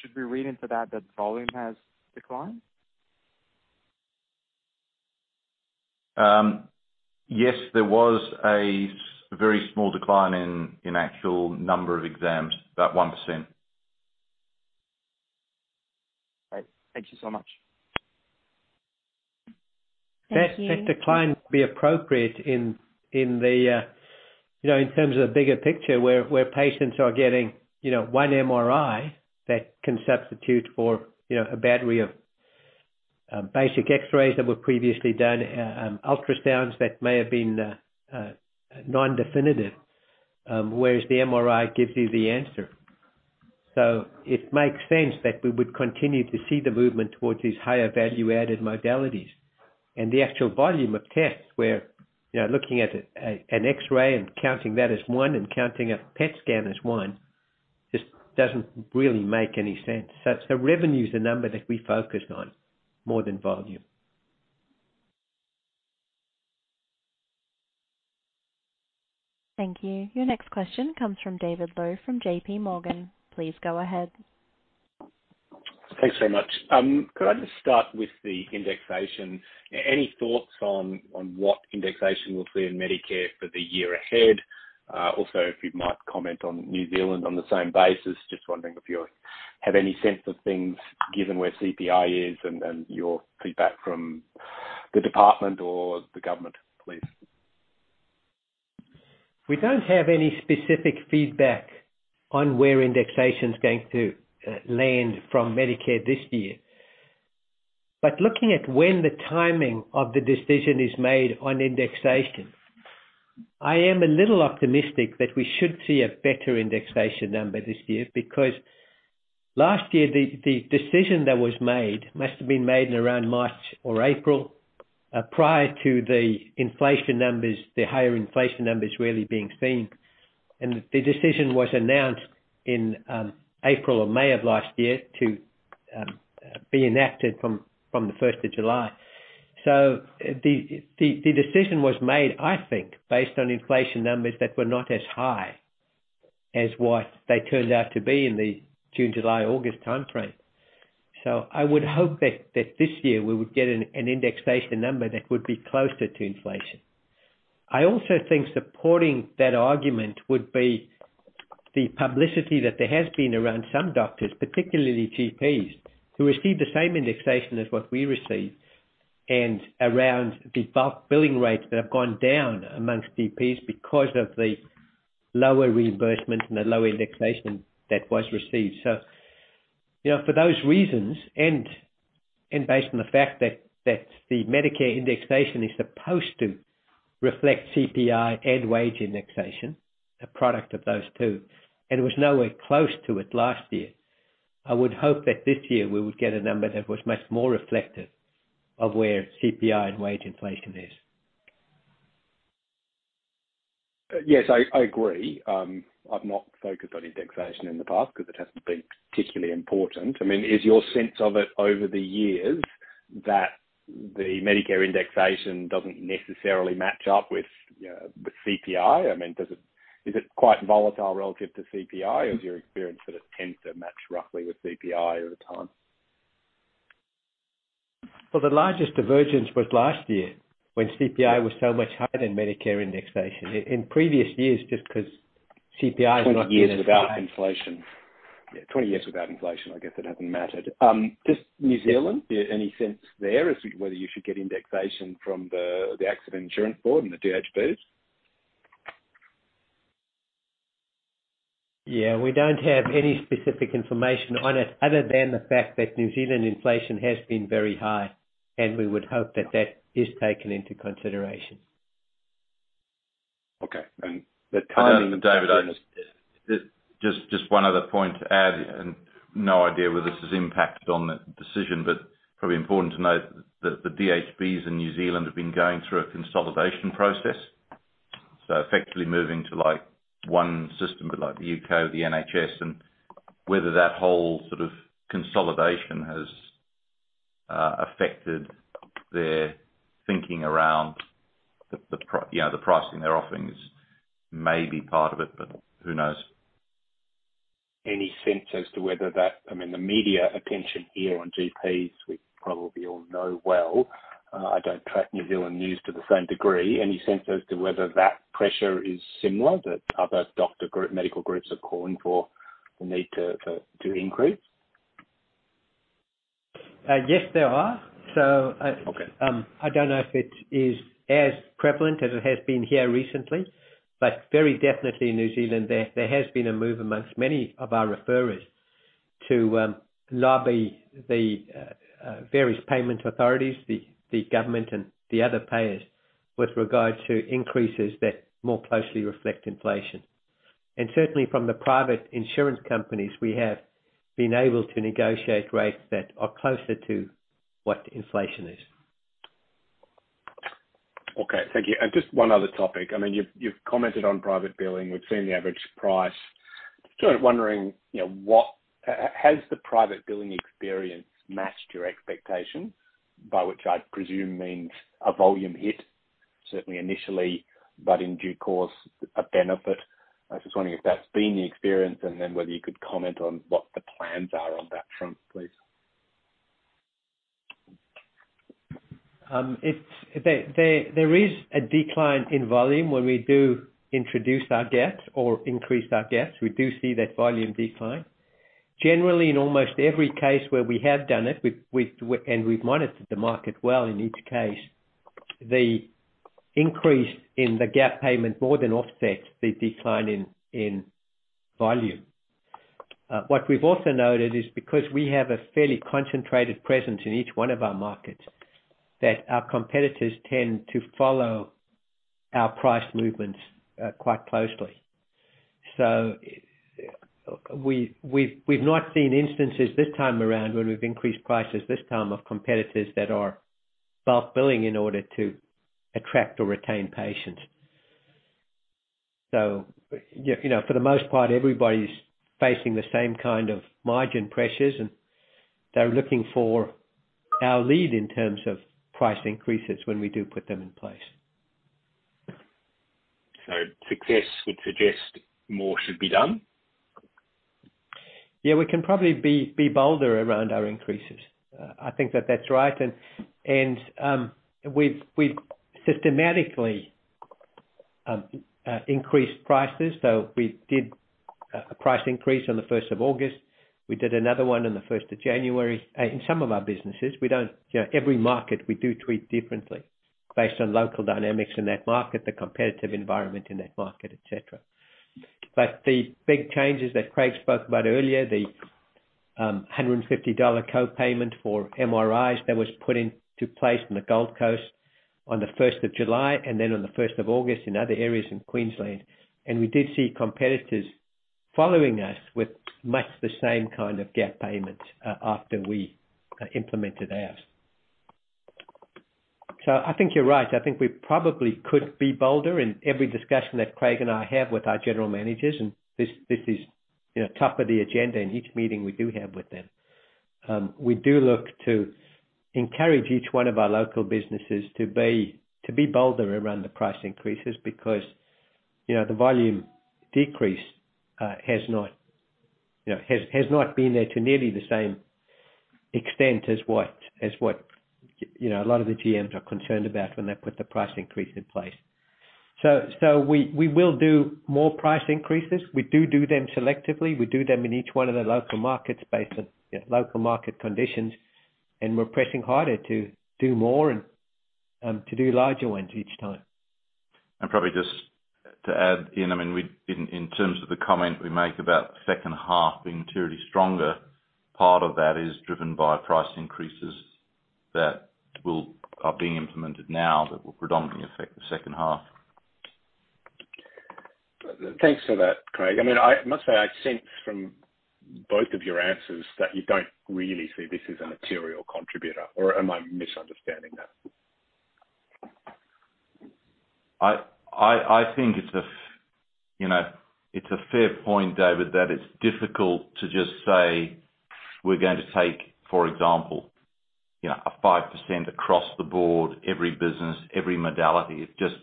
Should we read into that volume has declined? Yes, there was a very small decline in actual number of exams, about 1%. Great. Thank you so much. Thank you. That decline would be appropriate in the, you know, in terms of the bigger picture where patients are getting, you know, 1 MRI that can substitute for, you know, a battery of basic X-rays that were previously done, ultrasounds that may have been non-definitive, whereas the MRI gives you the answer. It makes sense that we would continue to see the movement towards these higher value-added modalities. The actual volume of tests where, you know, looking at an X-ray and counting that as one and counting a PET scan as one just doesn't really make any sense. Revenue is the number that we focus on more than volume. Thank you. Your next question comes from David Low from J.P. Morgan. Please go ahead. Thanks so much. Could I just start with the indexation? Any thoughts on what indexation will see in Medicare for the year ahead? Also, if you might comment on New Zealand on the same basis. Just wondering if you have any sense of things, given where CPI is and your feedback from the department or the government, please. We don't have any specific feedback on where indexation is going to land from Medicare this year. Looking at when the timing of the decision is made on indexation, I am a little optimistic that we should see a better indexation number this year, because last year the decision that was made must have been made in around March or April, prior to the inflation numbers, the higher inflation numbers really being seen. The decision was announced in April or May of last year to be enacted from the 1st of July. The decision was made, I think, based on inflation numbers that were not as high as what they turned out to be in the June, July, August timeframe. I would hope that this year we would get an indexation number that would be closer to inflation. I also think supporting that argument would be the publicity that there has been around some doctors, particularly GPs, who receive the same indexation as what we receive and around the bulk billing rates that have gone down amongst GPs because of the lower reimbursement and the low indexation that was received. You know, for those reasons and based on the fact that the Medicare indexation is supposed to reflect CPI and wage indexation, a product of those two, and was nowhere close to it last year, I would hope that this year we would get a number that was much more reflective of where CPI and wage inflation is. Yes, I agree. I've not focused on indexation in the past 'cause it hasn't been particularly important. I mean, is your sense of it over the years that the Medicare indexation doesn't necessarily match up with CPI? I mean, Is it quite volatile relative to CPI? Or is your experience that it tends to match roughly with CPI over time? Well, the largest divergence was last year when CPI was so much higher than Medicare indexation. In previous years, just 'cause CPI 20 years without inflation. Yeah, 20 years without inflation, I guess it hasn't mattered. Just New Zealand. Any sense there as to whether you should get indexation from the Accident Insurance Board and the DHBs? Yeah. We don't have any specific information on it other than the fact that New Zealand inflation has been very high, we would hope that that is taken into consideration. Okay. David. Just one other point to add, and no idea whether this has impacted on the decision, but probably important to note that the DHBs in New Zealand have been going through a consolidation process, so effectively moving to, like, one system, but like the UK with the NHS and whether that whole sort of consolidation has affected their thinking around the, you know, the pricing they're offering is maybe part of it, but who knows. Any sense as to whether that, I mean, the media attention here on GPs, we probably all know well. I don't track New Zealand news to the same degree. Any sense as to whether that pressure is similar, that other doctor group, medical groups are calling for the need to increase? Yes, there are. Okay. I don't know if it is as prevalent as it has been here recently, but very definitely in New Zealand there has been a move amongst many of our referrers to lobby the various payment authorities, the government and the other payers with regard to increases that more closely reflect inflation. Certainly from the private insurance companies, we have been able to negotiate rates that are closer to what inflation is. Okay. Thank you. Just one other topic. I mean, you've commented on private billing. We've seen the average price. Sort of wondering, you know, what has the private billing experience matched your expectation? By which I presume means a volume hit, certainly initially, but in due course, a benefit. I was just wondering if that's been the experience and then whether you could comment on what the plans are on that front, please. There is a decline in volume when we do introduce our gaps or increase our gaps. We do see that volume decline. Generally, in almost every case where we have done it, we've monitored the market well in each case, the increase in the gap payment more than offsets the decline in volume. What we've also noted is because we have a fairly concentrated presence in each one of our markets, that our competitors tend to follow our price movements quite closely. We've not seen instances this time around when we've increased prices this time of competitors that are bulk billing in order to attract or retain patients. You know, for the most part, everybody's facing the same kind of margin pressures, and they're looking for our lead in terms of price increases when we do put them in place. Success would suggest more should be done? Yeah, we can probably be bolder around our increases. I think that that's right. We've systematically increased prices. We did a price increase on the first of August. We did another one on the first of January. In some of our businesses, you know, every market, we do treat differently based on local dynamics in that market, the competitive environment in that market, et cetera. The big changes that Craig spoke about earlier, the $150 co-payment for MRIs that was put into place in the Gold Coast on the first of July and then on the first of August in other areas in Queensland. We did see competitors following us with much the same kind of gap payments after we implemented ours. So I think you're right. I think we probably could be bolder in every discussion that Craig and I have with our general managers. This is, you know, top of the agenda in each meeting we do have with them. We do look to encourage each one of our local businesses to be bolder around the price increases because, you know, the volume decrease has not, you know, has not been there to nearly the same extent as what, as what, you know, a lot of the GMs are concerned about when they put the price increase in place. We will do more price increases. We do them selectively. We do them in each one of the local markets based on, you know, local market conditions. We're pressing harder to do more and to do larger ones each time. Probably just to add, Ian, I mean, in terms of the comment we make about the second half being materially stronger, part of that is driven by price increases that are being implemented now, that will predominantly affect the second half. Thanks for that, Craig. I mean, I must say, I sense from both of your answers that you don't really see this as a material contributor, or am I misunderstanding that? I think it's a you know, it's a fair point, David, that it's difficult to just say, "We're going to take, for example, you know, a 5% across the board, every business, every modality." It just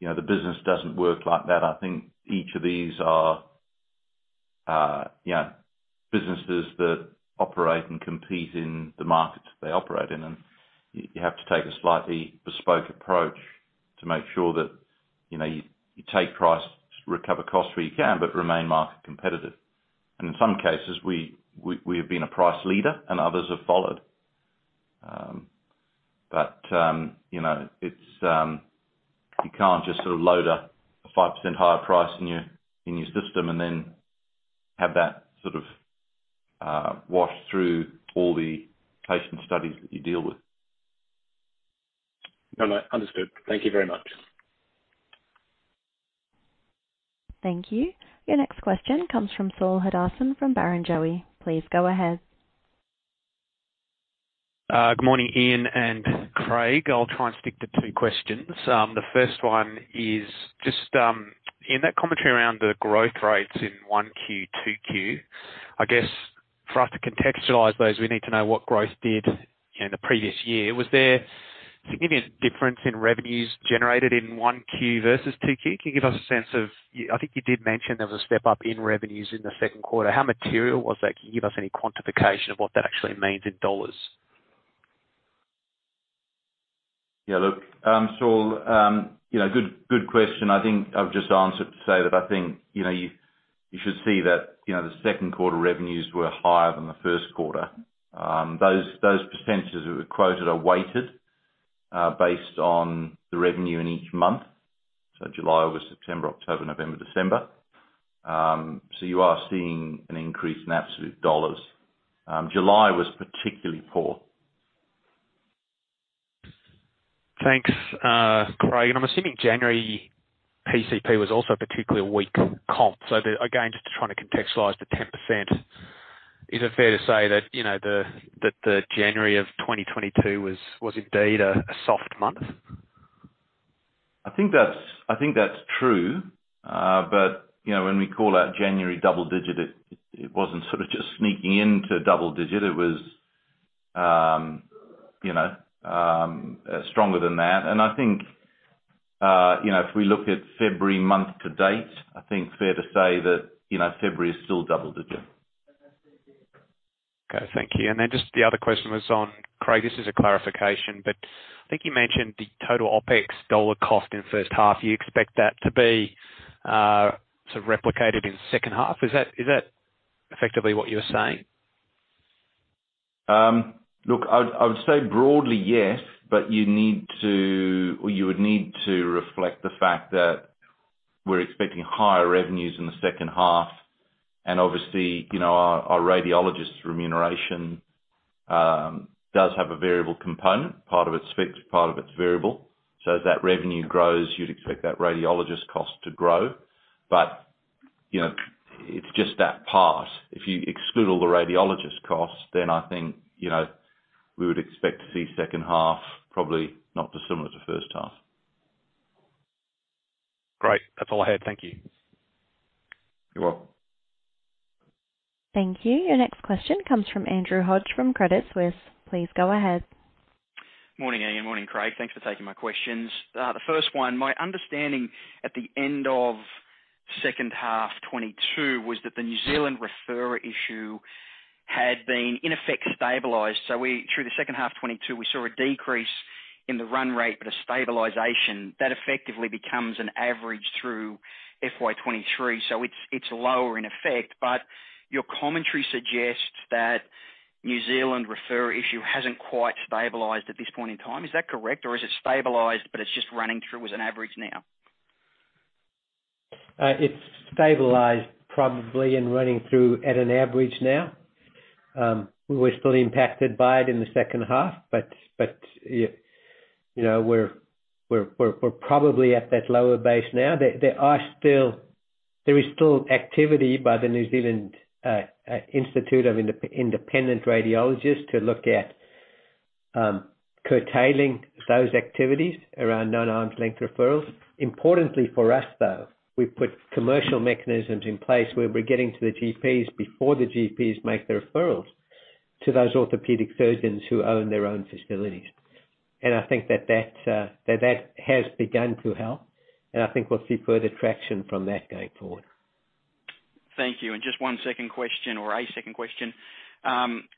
the business doesn't work like that. I think each of these are, you know, businesses that operate and compete in the markets that they operate in, and you have to take a slightly bespoke approach to make sure that you take price to recover costs where you can, but remain market competitive. And in some cases, we have been a price leader and others have followed. You know, it's. You can't just sort of load a 5% higher price in your, in your system and then have that sort of, wash through all the patient studies that you deal with. No, no. Understood. Thank you very much. Thank you. Your next question comes from Saul Hadassin from Barrenjoey. Please go ahead. Good morning, Ian and Craig. I'll try and stick to two questions. The first one is in that commentary around the growth rates in 1Q, 2Q. I guess for us to contextualize those, we need to know what growth did in the previous year. Was there significant difference in revenues generated in 1Q versus 2Q? Can you give us a sense I think you did mention there was a step up in revenues in the second quarter. How material was that? Can you give us any quantification of what that actually means in dollars? Yeah, look, Saul, you know, good question. I think I've just answered to say that, I think you should see that, you know, the second quarter revenues were higher than the first quarter. Those % that were quoted are weighted based on the revenue in each month. July over September, October, November, December. You are seeing an increase in absolute AUD. July was particularly poor. Thanks, Craig. I'm assuming January PCP was also a particularly weak comp. Again, just trying to contextualize the 10%. Is it fair to say that, you know, that the January of 2022 was indeed a soft month? I think that's true. You know, when we call out January double digit, it wasn't sort of just sneaking into double digit. It was, you know, stronger than that. I think, you know, if we look at February month to date, I think fair to say that, you know, February is still double digit. Okay. Thank you. Just the other question was on, Craig, this is a clarification, but I think you mentioned the total OpEx dollar cost in first half. You expect that to be, sort of replicated in second half. Is that effectively what you're saying? Look, I would say broadly yes, but you would need to reflect the fact that we're expecting higher revenues in the second half. Obviously, you know, our radiologist's remuneration does have a variable component. Part of it's fixed, part of it's variable. As that revenue grows, you'd expect that radiologist cost to grow. You know, it's just that part. If you exclude all the radiologist costs, I think, you know, we would expect to see second half probably not dissimilar to first half. Great. That's all I had. Thank you. You're welcome. Thank you. Your next question comes from Andrew Hodge from Credit Suisse. Please go ahead. Morning, Ian. Morning, Craig. Thanks for taking my questions. The first one. My understanding at the end of second half 2022 was that the New Zealand referrer issue had been in effect, stabilized. Through the second half 2022, we saw a decrease in the run rate, but a stabilization. That effectively becomes an average through FY2023. It's lower in effect. Your commentary suggests that New Zealand referrer issue hasn't quite stabilized at this point in time. Is that correct? Or is it stabilized, but it's just running through as an average now? It's stabilized probably and running through at an average now. We're still impacted by it in the second half, but, you know, we're probably at that lower base now. There is still activity by the New Zealand Institute of Independent Radiologists to look at curtailing those activities around non-arm's length referrals. Importantly for us, though, we've put commercial mechanisms in place where we're getting to the GPs before the GPs make the referrals to those orthopedic surgeons who own their own facilities. I think that has begun to help, and I think we'll see further traction from that going forward. Thank you. Just one second question or a second question.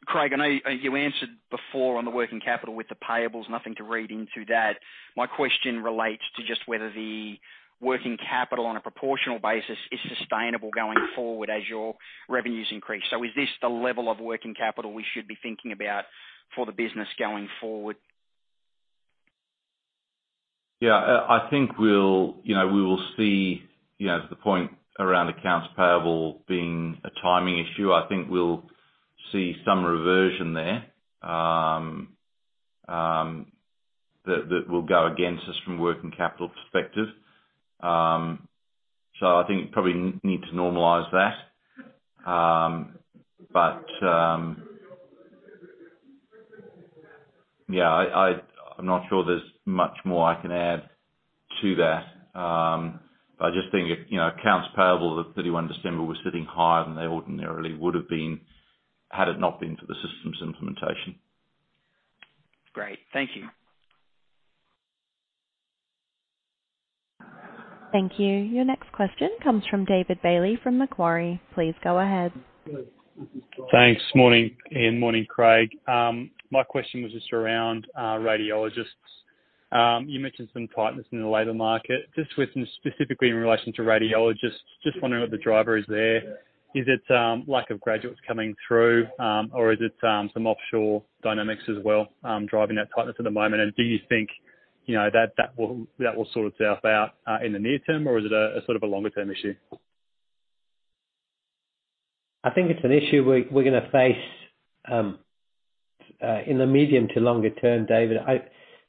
Craig, I know you answered before on the working capital with the payables. Nothing to read into that. My question relates to just whether the working capital on a proportional basis is sustainable going forward as your revenues increase. Is this the level of working capital we should be thinking about for the business going forward? Yeah. I think we'll, you know, we will see, you know, to the point around accounts payable being a timing issue. I think we'll see some reversion there, that will go against us from a working capital perspective. I think probably need to normalize that. Yeah, I'm not sure there's much more I can add to that. I just think, you know, accounts payable at 31 December was sitting higher than they ordinarily would have been had it not been for the systems implementation. Great. Thank you. Thank you. Your next question comes from David Bailey from Macquarie. Please go ahead. Thanks. Morning, Ian. Morning, Craig. My question was just around radiologists. You mentioned some tightness in the labor market. Just with specifically in relation to radiologists, just wondering what the driver is there. Is it lack of graduates coming through, or is it some offshore dynamics as well, driving that tightness at the moment? Do you think, you know, that will sort itself out in the near term, or is it a, sort of a longer term issue? I think it's an issue we're gonna face in the medium to longer term, David.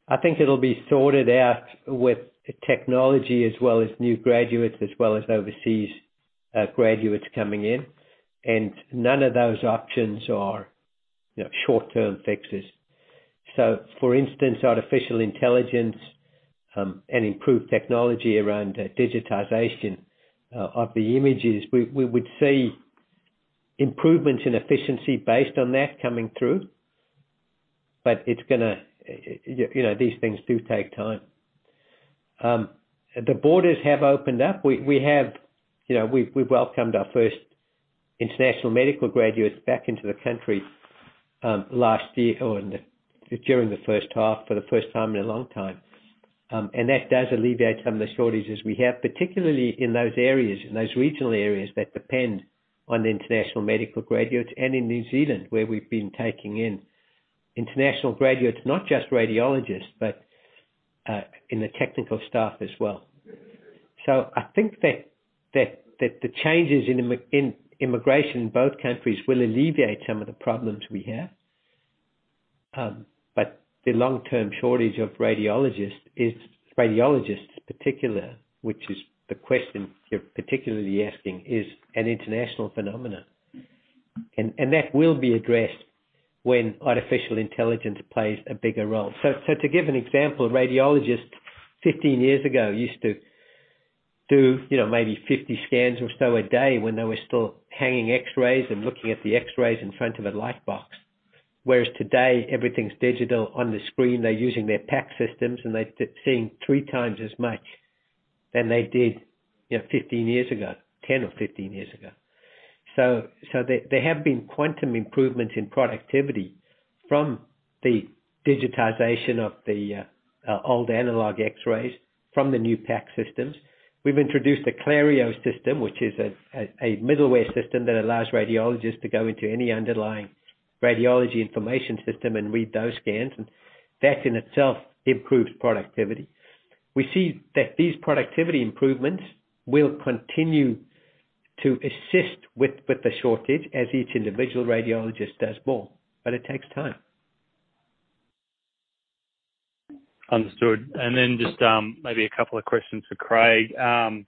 I think it'll be sorted out with technology as well as new graduates, as well as overseas graduates coming in. None of those options are, you know, short-term fixes. For instance, artificial intelligence and improved technology around digitization of the images, we would see improvements in efficiency based on that coming through. It's gonna, you know, these things do take time. The borders have opened up. We have, you know, we've welcomed our first International Medical Graduates back into the country last year or during the first half for the first time in a long time. That does alleviate some of the shortages we have, particularly in those areas, in those regional areas that depend on International Medical Graduates and in New Zealand, where we've been taking in international graduates, not just radiologists, but in the technical staff as well. I think that the changes in immigration in both countries will alleviate some of the problems we have. The long-term shortage of radiologists in particular, which is the question you're particularly asking, is an international phenomenon. That will be addressed when artificial intelligence plays a bigger role. To give an example, radiologists 15 years ago used to do, you know, maybe 50 scans or so a day when they were still hanging X-rays and looking at the X-rays in front of a light box. Whereas today everything's digital on the screen. They're using their PAC systems, they're seeing three times as much than they did 15 years ago, 10 or 15 years ago. There have been quantum improvements in productivity from the digitization of the old analog X-rays from the new PAC systems. We've introduced a Clario system, which is a middleware system that allows radiologists to go into any underlying radiology information system and read those scans, that in itself improves productivity. We see that these productivity improvements will continue to assist with the shortage as each individual radiologist does more, it takes time. Understood. Just maybe a couple of questions for Craig.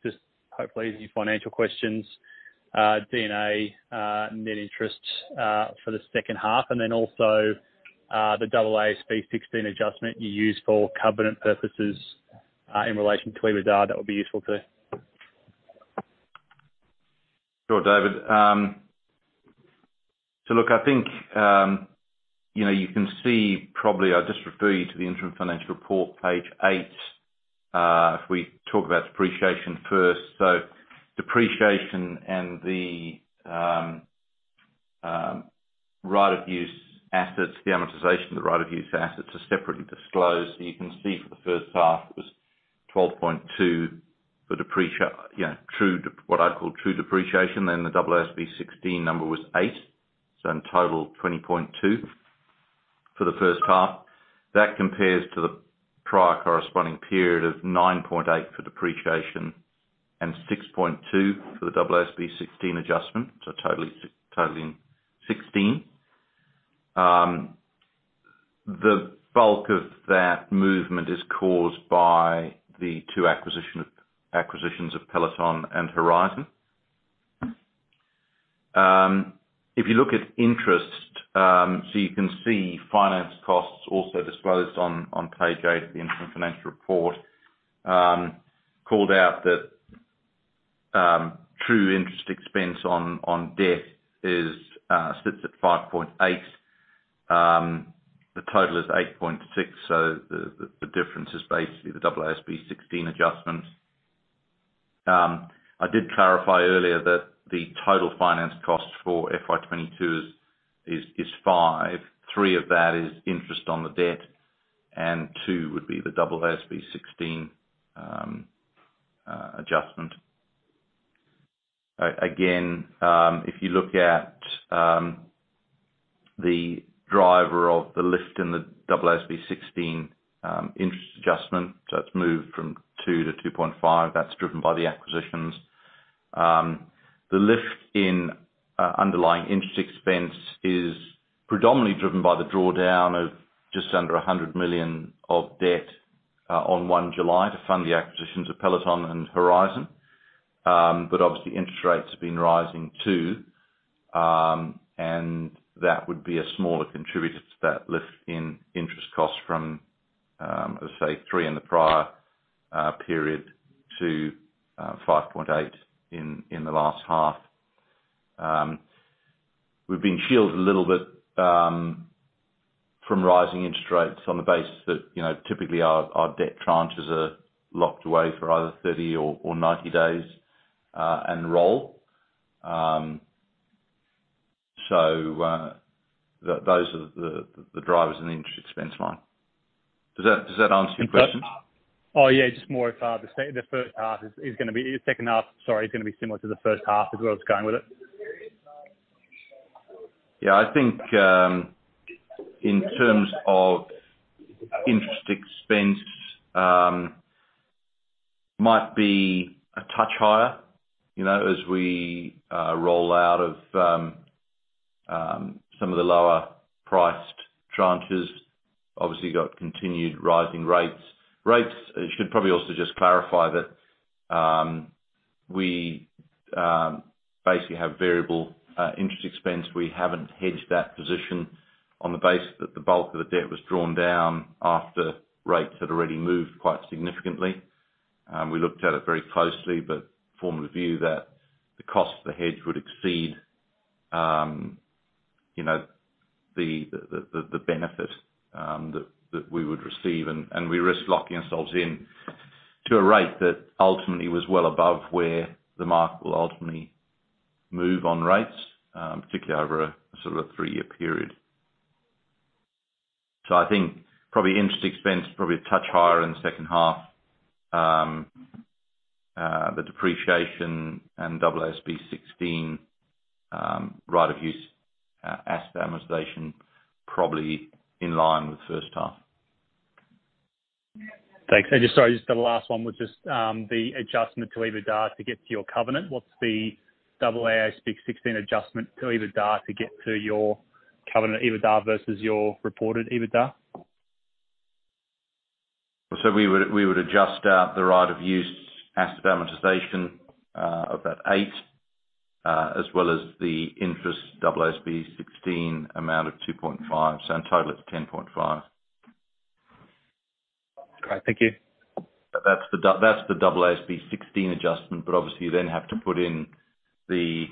Just hopefully easy financial questions. D&A, net interest for the second half. Also, the AASB 16 adjustment you use for covenant purposes in relation to clear da, that would be useful too. Sure, David. Look, I think, you know, you can see probably I'll just refer you to the interim financial report, page 8. If we talk about depreciation first. Depreciation and the right of use assets, the amortization of the right of use assets are separately disclosed. You can see for the first half, it was 12.2 for what I call true depreciation. The AASB 16 number was 8, in total 20.2 for the first half. That compares to the prior corresponding period of 9.8 for depreciation and 6.2 for the AASB 16 adjustment. Totaling 16. The bulk of that movement is caused by the two acquisitions of Peloton and Horizon. If you look at interest, you can see finance costs also disclosed on page 8 of the inter-financial report, called out that true interest expense on debt sits at 5.8. The total is 8.6. The difference is basically the AASB 16 adjustment. I did clarify earlier that the total finance cost for FY2022 is 5. 3 of that is interest on the debt, and 2 would be the AASB 16 adjustment. Again, if you look at the driver of the lift in the AASB 16 interest adjustment, it's moved from 2 to 2.5. That's driven by the acquisitions. The lift in underlying interest expense is predominantly driven by the drawdown of just under 100 million of debt on 1 July to fund the acquisitions of Peloton and Horizon. Obviously, interest rates have been rising too. That would be a smaller contributor to that lift in interest costs from, let's say three in the prior period to 5.8 in the last half. We've been shielded a little bit from rising interest rates on the basis that, you know, typically our debt tranches are locked away for either 30 or 90 days and roll. Those are the drivers in the interest expense line. Does that answer your question? Oh, yeah. Just more if the first half is gonna be, your second half, sorry, is gonna be similar to the first half is where I was going with it. Yeah. I think, in terms of interest expense, might be a touch higher, you know, as we roll out of some of the lower priced tranches. Obviously, you've got continued rising rates. Rates, I should probably also just clarify that we basically have variable interest expense. We haven't hedged that position on the basis that the bulk of the debt was drawn down after rates had already moved quite significantly. We looked at it very closely, but formed the view that the cost of the hedge would exceed, you know, the benefit that we would receive. We risk locking ourselves in to a rate that ultimately was well above where the market will ultimately move on rates, particularly over a sort of a three-year period. I think probably interest expense probably a touch higher in the second half. The depreciation and double AASB 16 right of use asset amortization probably in line with the first half. Thanks. Just sorry, just the last one was, the adjustment to EBITDA to get to your covenant. What's the double AASB 16 adjustment to EBITDA to get to your covenant EBITDA versus your reported EBITDA? We would adjust out the right of use asset amortization of about 8, as well as the interest AASB 16 amount of 2.5. In total, it's 10.5. All right. Thank you. That's the double AASB 16 adjustment. Obviously you then have to put in the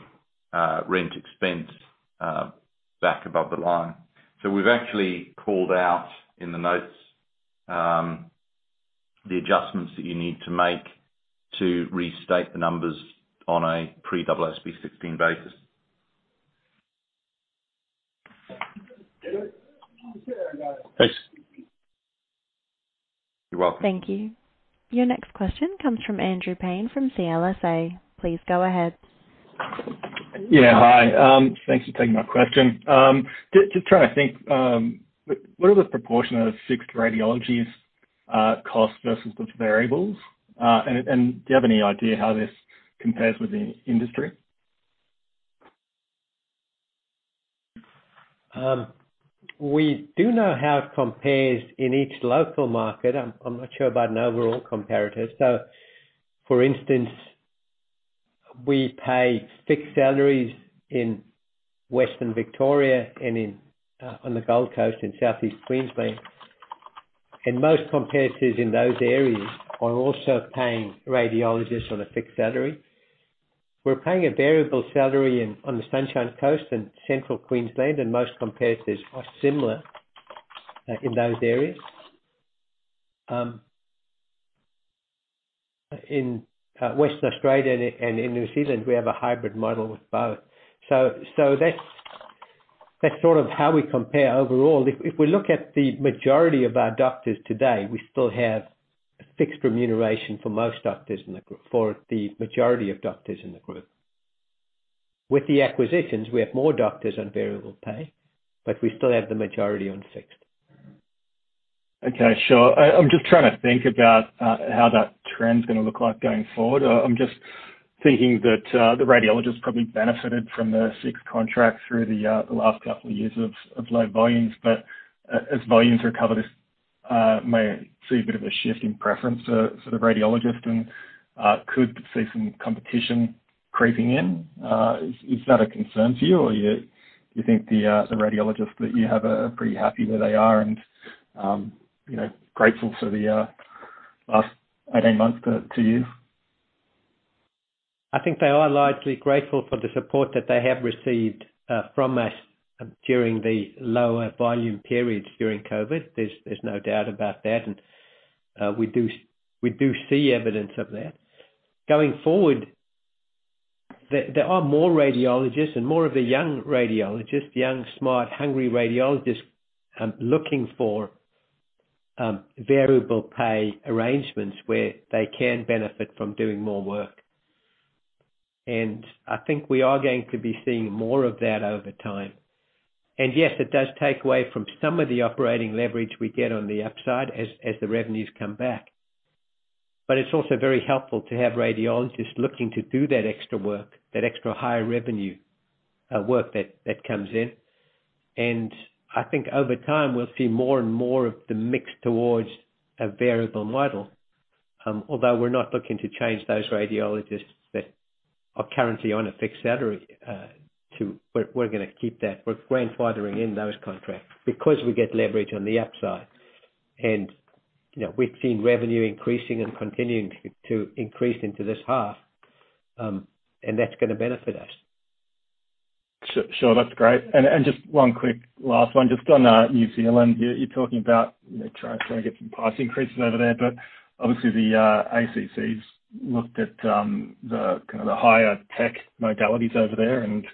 rent expense back above the line. We've actually called out in the notes the adjustments that you need to make to restate the numbers on a pre-double AASB 16 basis. Thanks. You're welcome. Thank you. Your next question comes from Andrew Paine from CLSA. Please go ahead. Yeah. Hi. Thanks for taking my question. Just trying to think, what are the proportion of fixed radiologists cost versus the variables? Do you have any idea how this compares with the industry? We do know how it compares in each local market. I'm not sure about an overall comparator. For instance, we pay fixed salaries in Western Victoria and on the Gold Coast in Southeast Queensland. Most competitors in those areas are also paying radiologists on a fixed salary. We're paying a variable salary in, on the Sunshine Coast and Central Queensland, and most competitors are similar in those areas. In Western Australia and in New Zealand, we have a hybrid model with both. That's sort of how we compare overall. If we look at the majority of our doctors today, we still have a fixed remuneration for most doctors in the group, for the majority of doctors in the group. With the acquisitions, we have more doctors on variable pay. We still have the majority on fixed. Okay, sure. I'm just trying to think about how that trend's gonna look like going forward. I'm just thinking that the radiologists probably benefited from the six contracts through the last couple of years of low volumes. As volumes recover, this may see a bit of a shift in preference to sort of radiologists and could see some competition creeping in. Is that a concern to you, or you think the radiologists that you have are pretty happy where they are and, you know, grateful for the last 18 months to you? I think they are largely grateful for the support that they have received from us during the lower volume periods during COVID. There's no doubt about that. We do see evidence of that. Going forward, there are more radiologists and more of the young radiologists, young, smart, hungry radiologists, looking for variable pay arrangements where they can benefit from doing more work. I think we are going to be seeing more of that over time. Yes, it does take away from some of the operating leverage we get on the upside as the revenues come back. It's also very helpful to have radiologists looking to do that extra work, that extra high revenue work that comes in. I think over time we'll see more and more of the mix towards a variable model. Although we're not looking to change those radiologists that are currently on a fixed salary, We're gonna keep that. We're grandfathering in those contracts because we get leverage on the upside. You know, we've seen revenue increasing and continuing to increase into this half. That's gonna benefit us. Sure. That's great. Just one quick last one. Just on New Zealand. You're talking about, you know, trying to get some price increases over there. Obviously the ACC's looked at the kind of the higher tech modalities over there and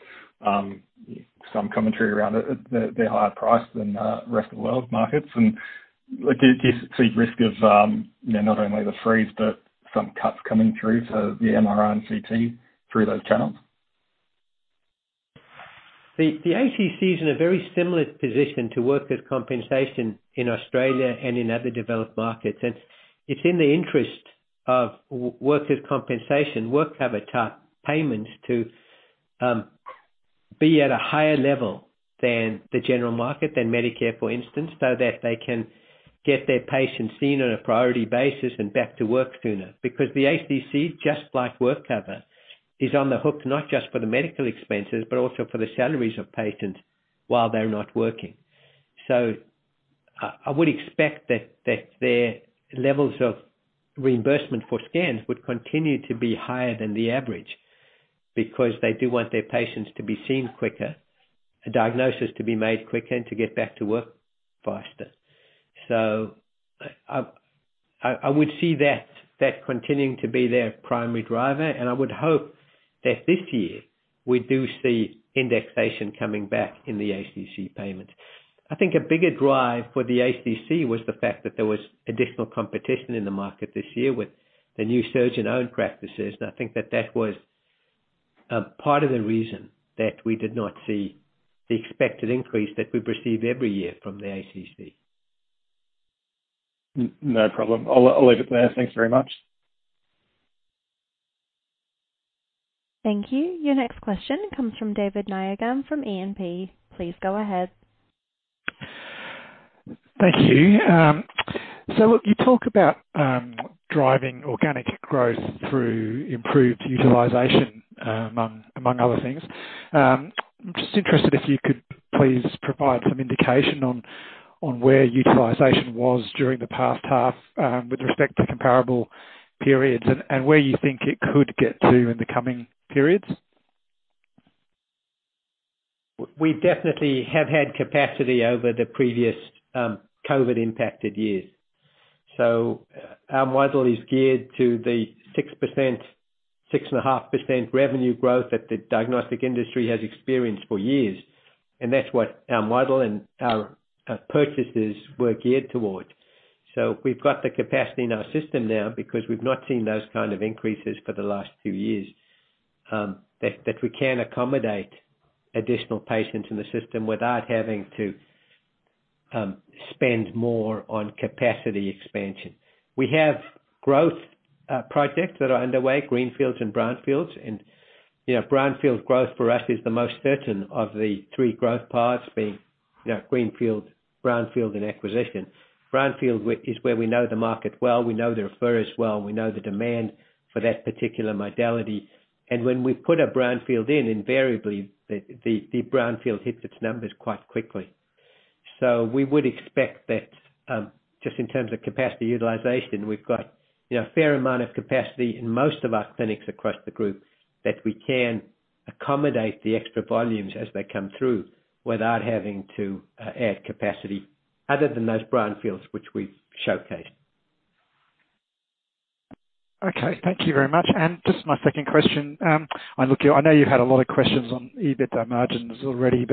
some commentary around it, they're higher priced than rest of the world markets. Like, do you see risk of, you know, not only the freeze but some cuts coming through to the MRI and CT through those channels? The ACC is in a very similar position to workers' compensation in Australia and in other developed markets. It's in the interest of workers' compensation, WorkCover type payments to be at a higher level than the general market, than Medicare, for instance, so that they can get their patients seen on a priority basis and back to work sooner. The ACC, just like WorkCover, is on the hook not just for the medical expenses, but also for the salaries of patients while they're not working. I would expect that their levels of reimbursement for scans would continue to be higher than the average because they do want their patients to be seen quicker, a diagnosis to be made quicker and to get back to work faster. I would see that continuing to be their primary driver, and I would hope that this year we do see indexation coming back in the ACC payment. I think a bigger drive for the ACC was the fact that there was additional competition in the market this year with the new surgeon-owned practices. I think that was part of the reason that we did not see the expected increase that we receive every year from the ACC. No problem. I'll leave it there. Thanks very much. Thank you. Your next question comes from David Nayagam from E&P Financial Group. Please go ahead. Thank you. Look, you talk about, driving organic growth through improved utilization, among other things. I'm just interested, if you could please provide some indication on where utilization was during the past half, with respect to comparable periods and where you think it could get to in the coming periods. We definitely have had capacity over the previous COVID impacted years. Our model is geared to the 6%, 6.5% revenue growth that the diagnostic industry has experienced for years, and that's what our model and our purchases were geared towards. We've got the capacity in our system now because we've not seen those kind of increases for the last two years, that we can accommodate additional patients in the system without having to spend more on capacity expansion. We have growth projects that are underway, greenfields and brownfields. You know, brownfields growth for us is the most certain of the three growth paths being, you know, greenfield, brownfield and acquisition. Brownfield is where we know the market well, we know the referrers well, we know the demand for that particular modality. When we put a brownfield in, invariably the brownfield hits its numbers quite quickly. We would expect that, just in terms of capacity utilization, we've got, you know, a fair amount of capacity in most of our clinics across the group that we can accommodate the extra volumes as they come through without having to add capacity other than those brownfields which we've showcased. Okay. Thank you very much. Just my second question. Look, I know you had a lot of questions on EBITDA margins already,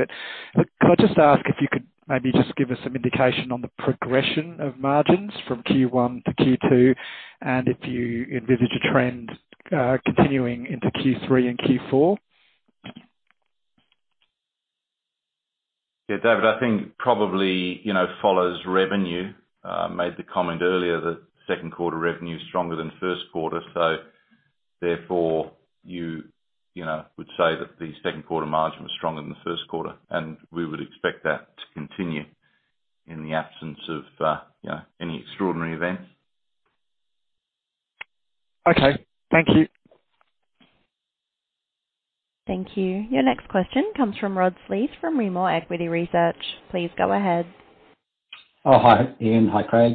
look, could I just ask if you could maybe just give us some indication on the progression of margins from Q1 to Q2 and if you envisage a trend continuing into Q3 and Q4? Yeah, David, I think probably, you know, follows revenue. Made the comment earlier that second quarter revenue is stronger than first quarter. Therefore, you know, would say that the second quarter margin was stronger than the first quarter, we would expect that to continue in the absence of, you know, any extraordinary events. Okay. Thank you. Thank you. Your next question comes from Rod Sleath from Rimor Equity Research. Please go ahead. Oh, hi, Ian. Hi, Craig.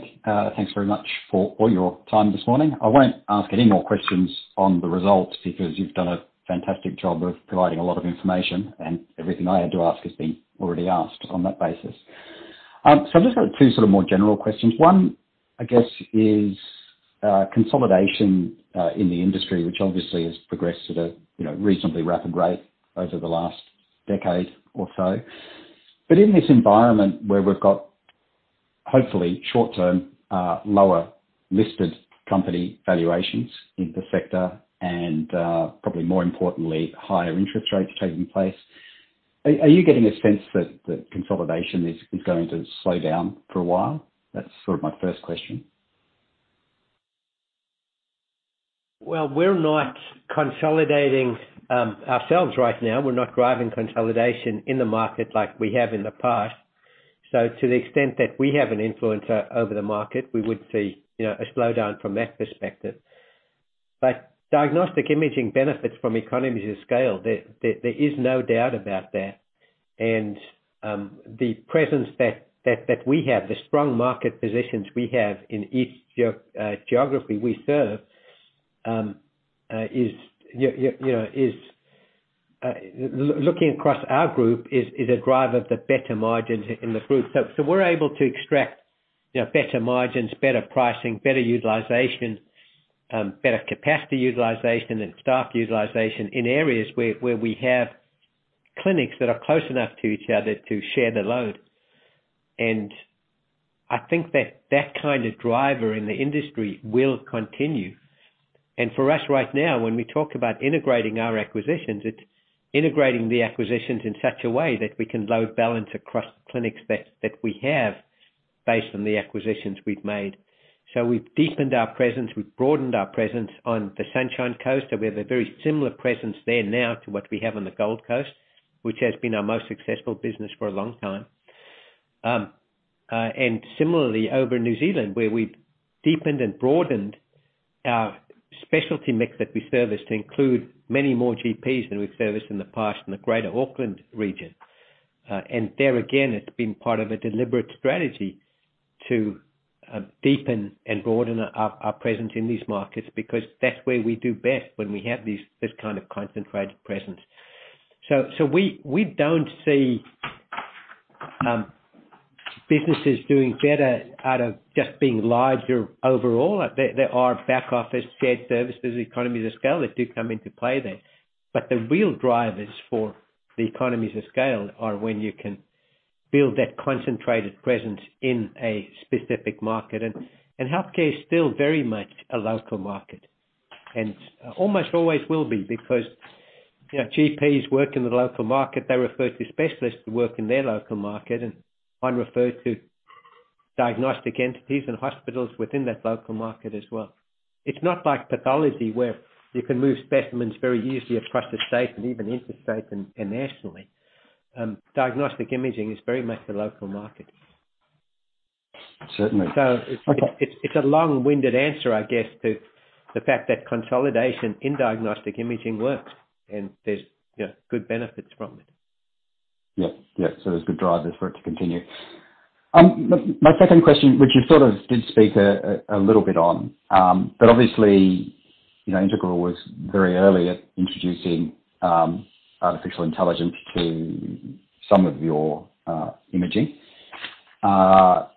Thanks very much for all your time this morning. I won't ask any more questions on the results because you've done a fantastic job of providing a lot of information, and everything I had to ask has been already asked on that basis. I've just got two sort of more general questions. One, I guess is, consolidation, in the industry, which obviously has progressed at a, you know, reasonably rapid rate over the last decade or so. In this environment where we've got hopefully short-term, lower listed company valuations in the sector and, probably more importantly, higher interest rates taking place, are you getting a sense that that consolidation is going to slow down for a while? That's sort of my first question. We're not consolidating ourselves right now. We're not driving consolidation in the market like we have in the past. To the extent that we have an influence over the market, we would see, you know, a slowdown from that perspective. Diagnostic imaging benefits from economies of scale. There is no doubt about that. The presence that we have, the strong market positions we have in each geography we serve, is you know, is looking across our group is a driver of the better margins in the group. We're able to extract, you know, better margins, better pricing, better utilization, better capacity utilization and staff utilization in areas where we have clinics that are close enough to each other to share the load. I think that that kind of driver in the industry will continue. For us right now, when we talk about integrating our acquisitions, it's integrating the acquisitions in such a way that we can load balance across the clinics that we have based on the acquisitions we've made. We've deepened our presence, we've broadened our presence on the Sunshine Coast, and we have a very similar presence there now to what we have on the Gold Coast, which has been our most successful business for a long time. Similarly over in New Zealand, where we've deepened and broadened our specialty mix that we service to include many more GPs than we've serviced in the past in the Greater Auckland region. There again, it's been part of a deliberate strategy to deepen and broaden our presence in these markets because that's where we do best when we have this kind of concentrated presence. We don't see businesses doing better out of just being larger overall. There are back office shared services, economies of scale that do come into play there. But the real drivers for the economies of scale are when you can build that concentrated presence in a specific market. Healthcare is still very much a local market, and almost always will be because, you know, GPs work in the local market. They refer to specialists who work in their local market, and I'm referred to diagnostic entities and hospitals within that local market as well. It's not like pathology, where you can move specimens very easily across the state and even interstate and nationally. Diagnostic imaging is very much a local market. Certainly. Okay. It's a long-winded answer, I guess, to the fact that consolidation in diagnostic imaging works, and there's, you know, good benefits from it. Yeah. Yeah. There's good drivers for it to continue. My second question, which you sort of did speak a little bit on, obviously, you know, Integral was very early at introducing artificial intelligence to some of your imaging. I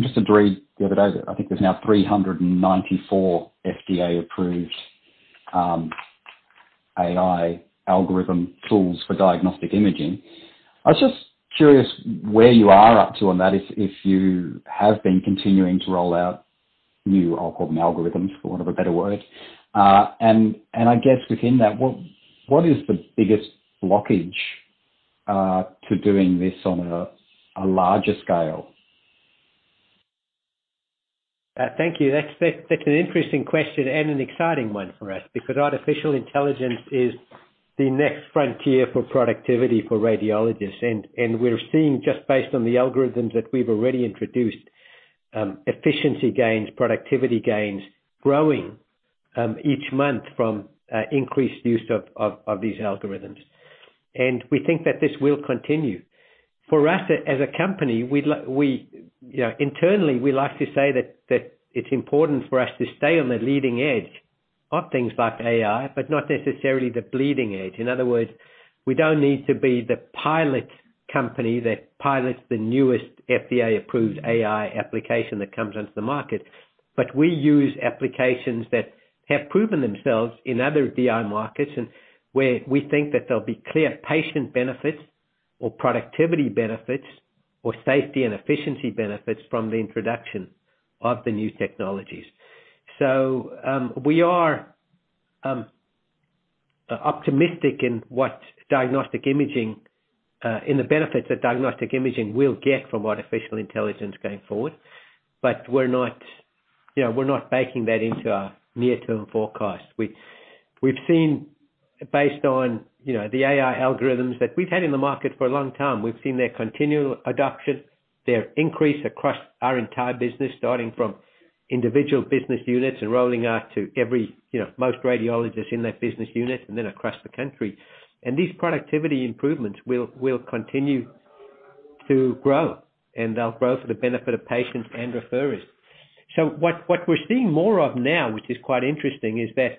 just read the other day that I think there's now 394 FDA approved AI algorithm tools for diagnostic imaging. I was just curious where you are up to on that. If you have been continuing to roll out new, I'll call them algorithms for want of a better word. And I guess within that, what is the biggest blockage to doing this on a larger scale? Thank you. That's such an interesting question and an exciting one for us because artificial intelligence is the next frontier for productivity for radiologists. We're seeing, just based on the algorithms that we've already introduced, efficiency gains, productivity gains growing each month from increased use of these algorithms. We think that this will continue. For us as a company, we, you know, internally, we like to say that it's important for us to stay on the leading edge of things like AI, but not necessarily the bleeding edge. In other words, we don't need to be the pilot company that pilots the newest FDA-approved AI application that comes onto the market. We use applications that have proven themselves in other DI markets and where we think that there'll be clear patient benefits or productivity benefits or safety and efficiency benefits from the introduction of the new technologies. We are optimistic in what diagnostic imaging, in the benefits that diagnostic imaging will get from artificial intelligence going forward. We're not, you know, we're not baking that into our near-term forecast. We've seen based on, you know, the AI algorithms that we've had in the market for a long time. We've seen their continual adoption, their increase across our entire business, starting from individual business units and rolling out to every, you know, most radiologists in that business unit and then across the country. These productivity improvements will continue to grow, and they'll grow for the benefit of patients and referrers. What we're seeing more of now, which is quite interesting, is that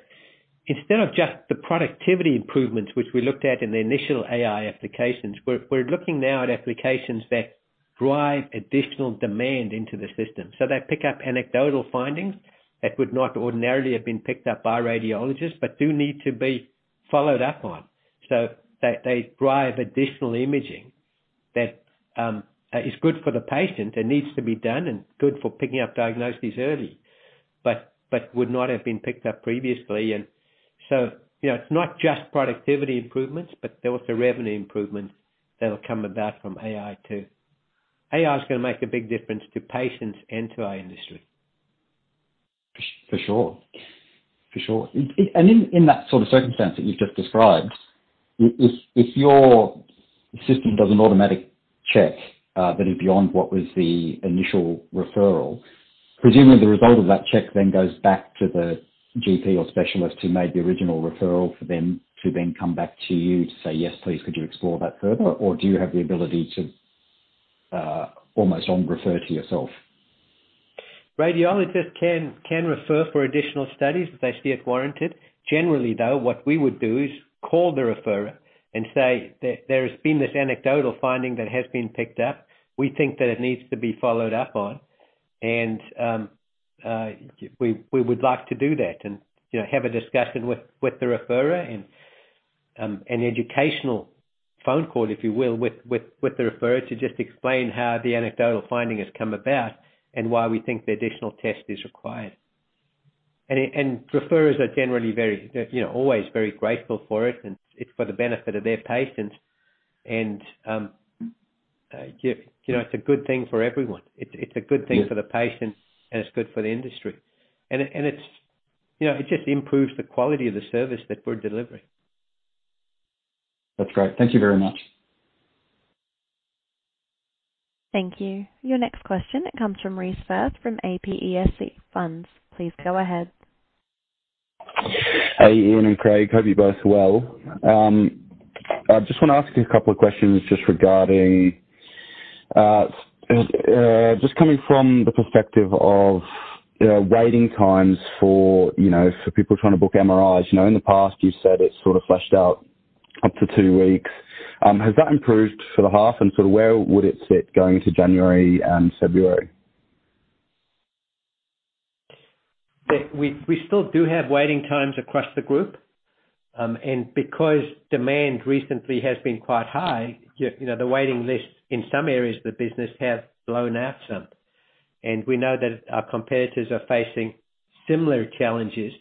instead of just the productivity improvements which we looked at in the initial AI applications, we're looking now at applications that drive additional demand into the system. They pick up anecdotal findings that would not ordinarily have been picked up by radiologists but do need to be followed up on. They drive additional imaging that is good for the patient and needs to be done and good for picking up diagnoses early, but would not have been picked up previously. You know, it's not just productivity improvements, but there was the revenue improvements that'll come about from AI too. AI is gonna make a big difference to patients and to our industry. For sure. For sure. It. In that sort of circumstance that you've just described, if your system does an automatic check, that is beyond what was the initial referral, presumably the result of that check then goes back to the GP or specialist who made the original referral for them to then come back to you to say, "Yes, please, could you explore that further?" Or do you have the ability to almost on refer to yourself? Radiologists can refer for additional studies if they see it warranted. Generally, though, what we would do is call the referrer and say that there has been this anecdotal finding that has been picked up. We think that it needs to be followed up on and we would like to do that and, you know, have a discussion with the referrer and an educational phone call, if you will, with the referrer to just explain how the anecdotal finding has come about and why we think the additional test is required. Referrers are generally very, they're, you know, always very grateful for it, and it's for the benefit of their patients. You know, it's a good thing for everyone. It's a good thing Yeah. -for the patient, and it's good for the industry. It's, you know, it just improves the quality of the service that we're delivering. That's great. Thank you very much. Thank you. Your next question comes from Reece Frith from APSEC Funds. Please go ahead. Hey, Ian and Craig. Hope you're both well. I just wanna ask you a couple of questions just regarding, just coming from the perspective of, you know, waiting times for, you know, for people trying to book MRIs. You know, in the past you said it sort of fleshed out up to 2 weeks. Has that improved for the half, and sort of where would it sit going into January and February? We still do have waiting times across the group. Because demand recently has been quite high, you know, the waiting list in some areas of the business have blown out some. We know that our competitors are facing similar challenges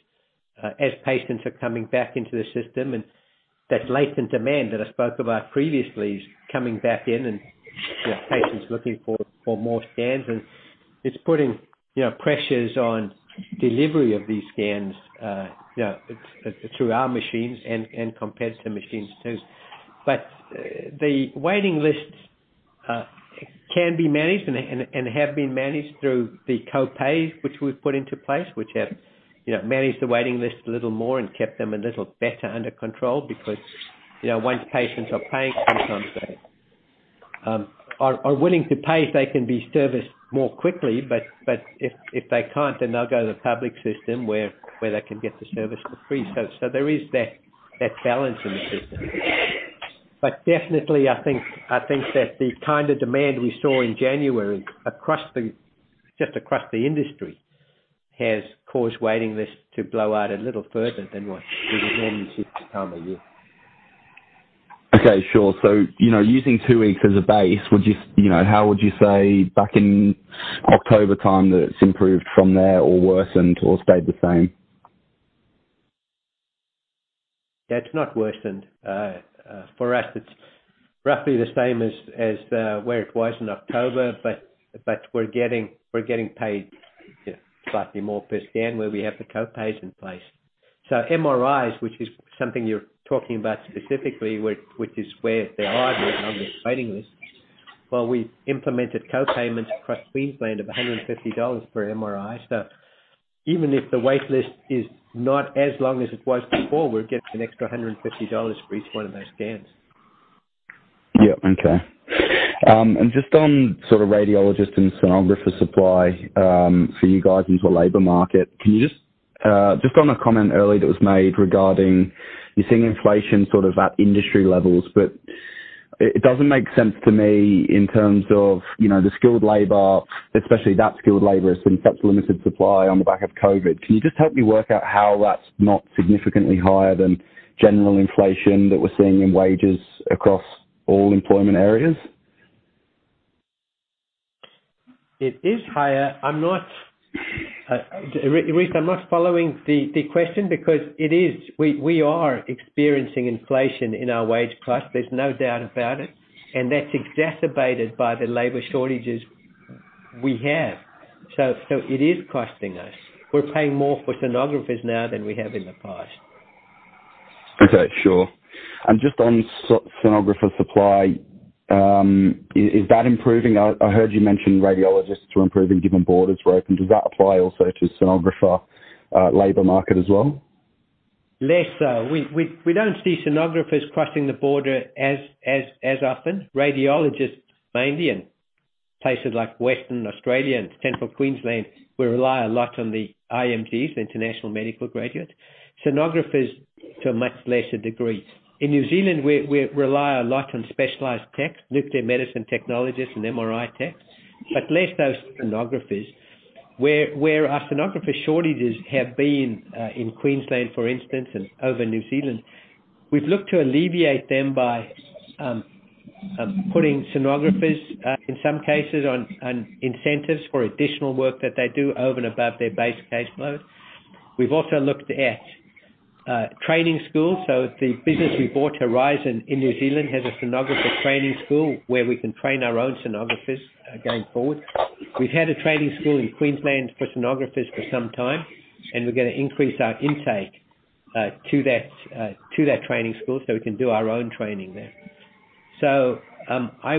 as patients are coming back into the system. That latent demand that I spoke about previously is coming back in and, you know, patients looking for more scans, and it's putting, you know, pressures on delivery of these scans through our machines and competitor machines too. The waiting lists can be managed and have been managed through the co-pays which we've put into place, which have, you know, managed the waiting list a little more and kept them a little better under control because, you know, once patients are paying sometimes they are willing to pay if they can be serviced more quickly, but if they can't, then they'll go to the public system where they can get the service for free. There is that balance in the system. Definitely I think that the kind of demand we saw in January across the industry has caused waiting lists to blow out a little further than what we would normally see this time of year. Okay. Sure. You know, using two weeks as a base, You know, how would you say back in October time that it's improved from there or worsened or stayed the same? That's not worsened. For us it's roughly the same as where it was in October. We're getting paid, you know, slightly more per scan where we have the co-pays in place. MRIs, which is something you're talking about specifically, which is where there are longer waiting lists. Well, we've implemented co-payments across Queensland of $150 for an MRI. Even if the wait list is not as long as it was before, we're getting an extra $150 for each one of those scans. Yeah. Okay. Just on sort of radiologists and sonographer supply for you guys into the labor market, can you just on a comment earlier that was made regarding you're seeing inflation sort of at industry levels, it doesn't make sense to me in terms of, you know, the skilled labor, especially that skilled labor is in such limited supply on the back of COVID. Can you just help me work out how that's not significantly higher than general inflation that we're seeing in wages across all employment areas? It is higher. I'm not Reece, I'm not following the question because we are experiencing inflation in our wage class, there's no doubt about it, and that's exacerbated by the labor shortages we have. It is costing us. We're paying more for sonographers now than we have in the past. Okay. Sure. Just on sonographer supply, is that improving? I heard you mention radiologists were improving given borders were open. Does that apply also to sonographer labor market as well? Less so. We don't see sonographers crossing the border as often. Radiologists, mainly in places like Western Australia and Central Queensland, we rely a lot on the IMGs, International Medical Graduate. Sonographers to a much lesser degree. In New Zealand we rely a lot on specialized tech, nuclear medicine technologists and MRI techs, but less so sonographers. Where our sonographer shortages have been, in Queensland, for instance, and over New Zealand, we've looked to alleviate them by putting sonographers in some cases on incentives for additional work that they do over and above their base caseload. We've also looked at training schools. The business we bought, Horizon in New Zealand, has a sonographer training school where we can train our own sonographers going forward. We've had a training school in Queensland for sonographers for some time, and we're gonna increase our intake to that, to that training school so we can do our own training there. I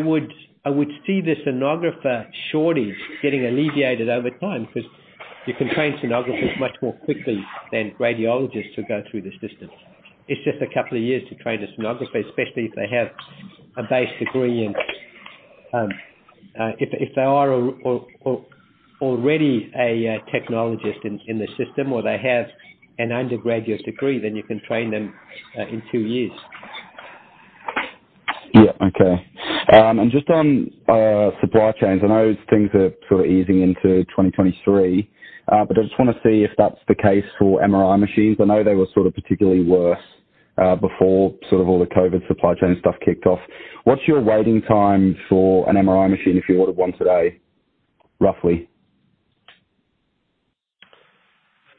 would see the sonographer shortage getting alleviated over time because you can train sonographers much more quickly than radiologists to go through the system. It's just a couple of years to train a sonographer, especially if they have a base degree in, if they are already a technologist in the system or they have an undergraduate degree, then you can train them in two years. Yeah. Okay. Just on supply chains, I know things are sort of easing into 2023, I just wanna see if that's the case for MRI machines. I know they were sort of particularly worse before sort of all the COVID supply chain stuff kicked off. What's your waiting time for an MRI machine if you ordered one today, roughly?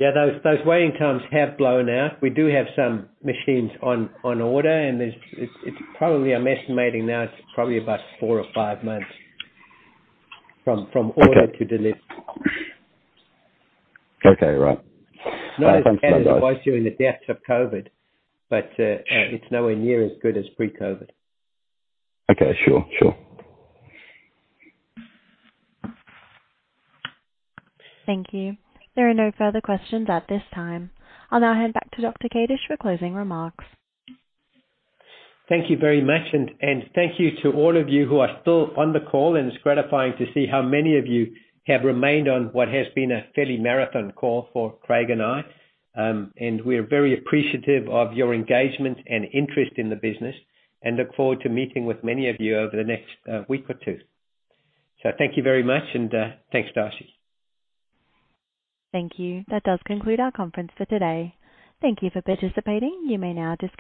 Yeah, those waiting times have blown out. We do have some machines on order, and it's probably, I'm estimating now, it's probably about four or five months from order to delivery. Okay. Right. Not as bad as it was during the depths of COVID-19, but it's nowhere near as good as pre-COVID-19. Okay. Sure. Sure. Thank you. There are no further questions at this time. I'll now hand back to Dr. Kadish for closing remarks. Thank you very much, and thank you to all of you who are still on the call, and it's gratifying to see how many of you have remained on what has been a fairly marathon call for Craig and I. We're very appreciative of your engagement and interest in the business and look forward to meeting with many of you over the next week or two. Thank you very much and thanks, Darci. Thank you. That does conclude our conference for today. Thank you for participating. You may now disconnect.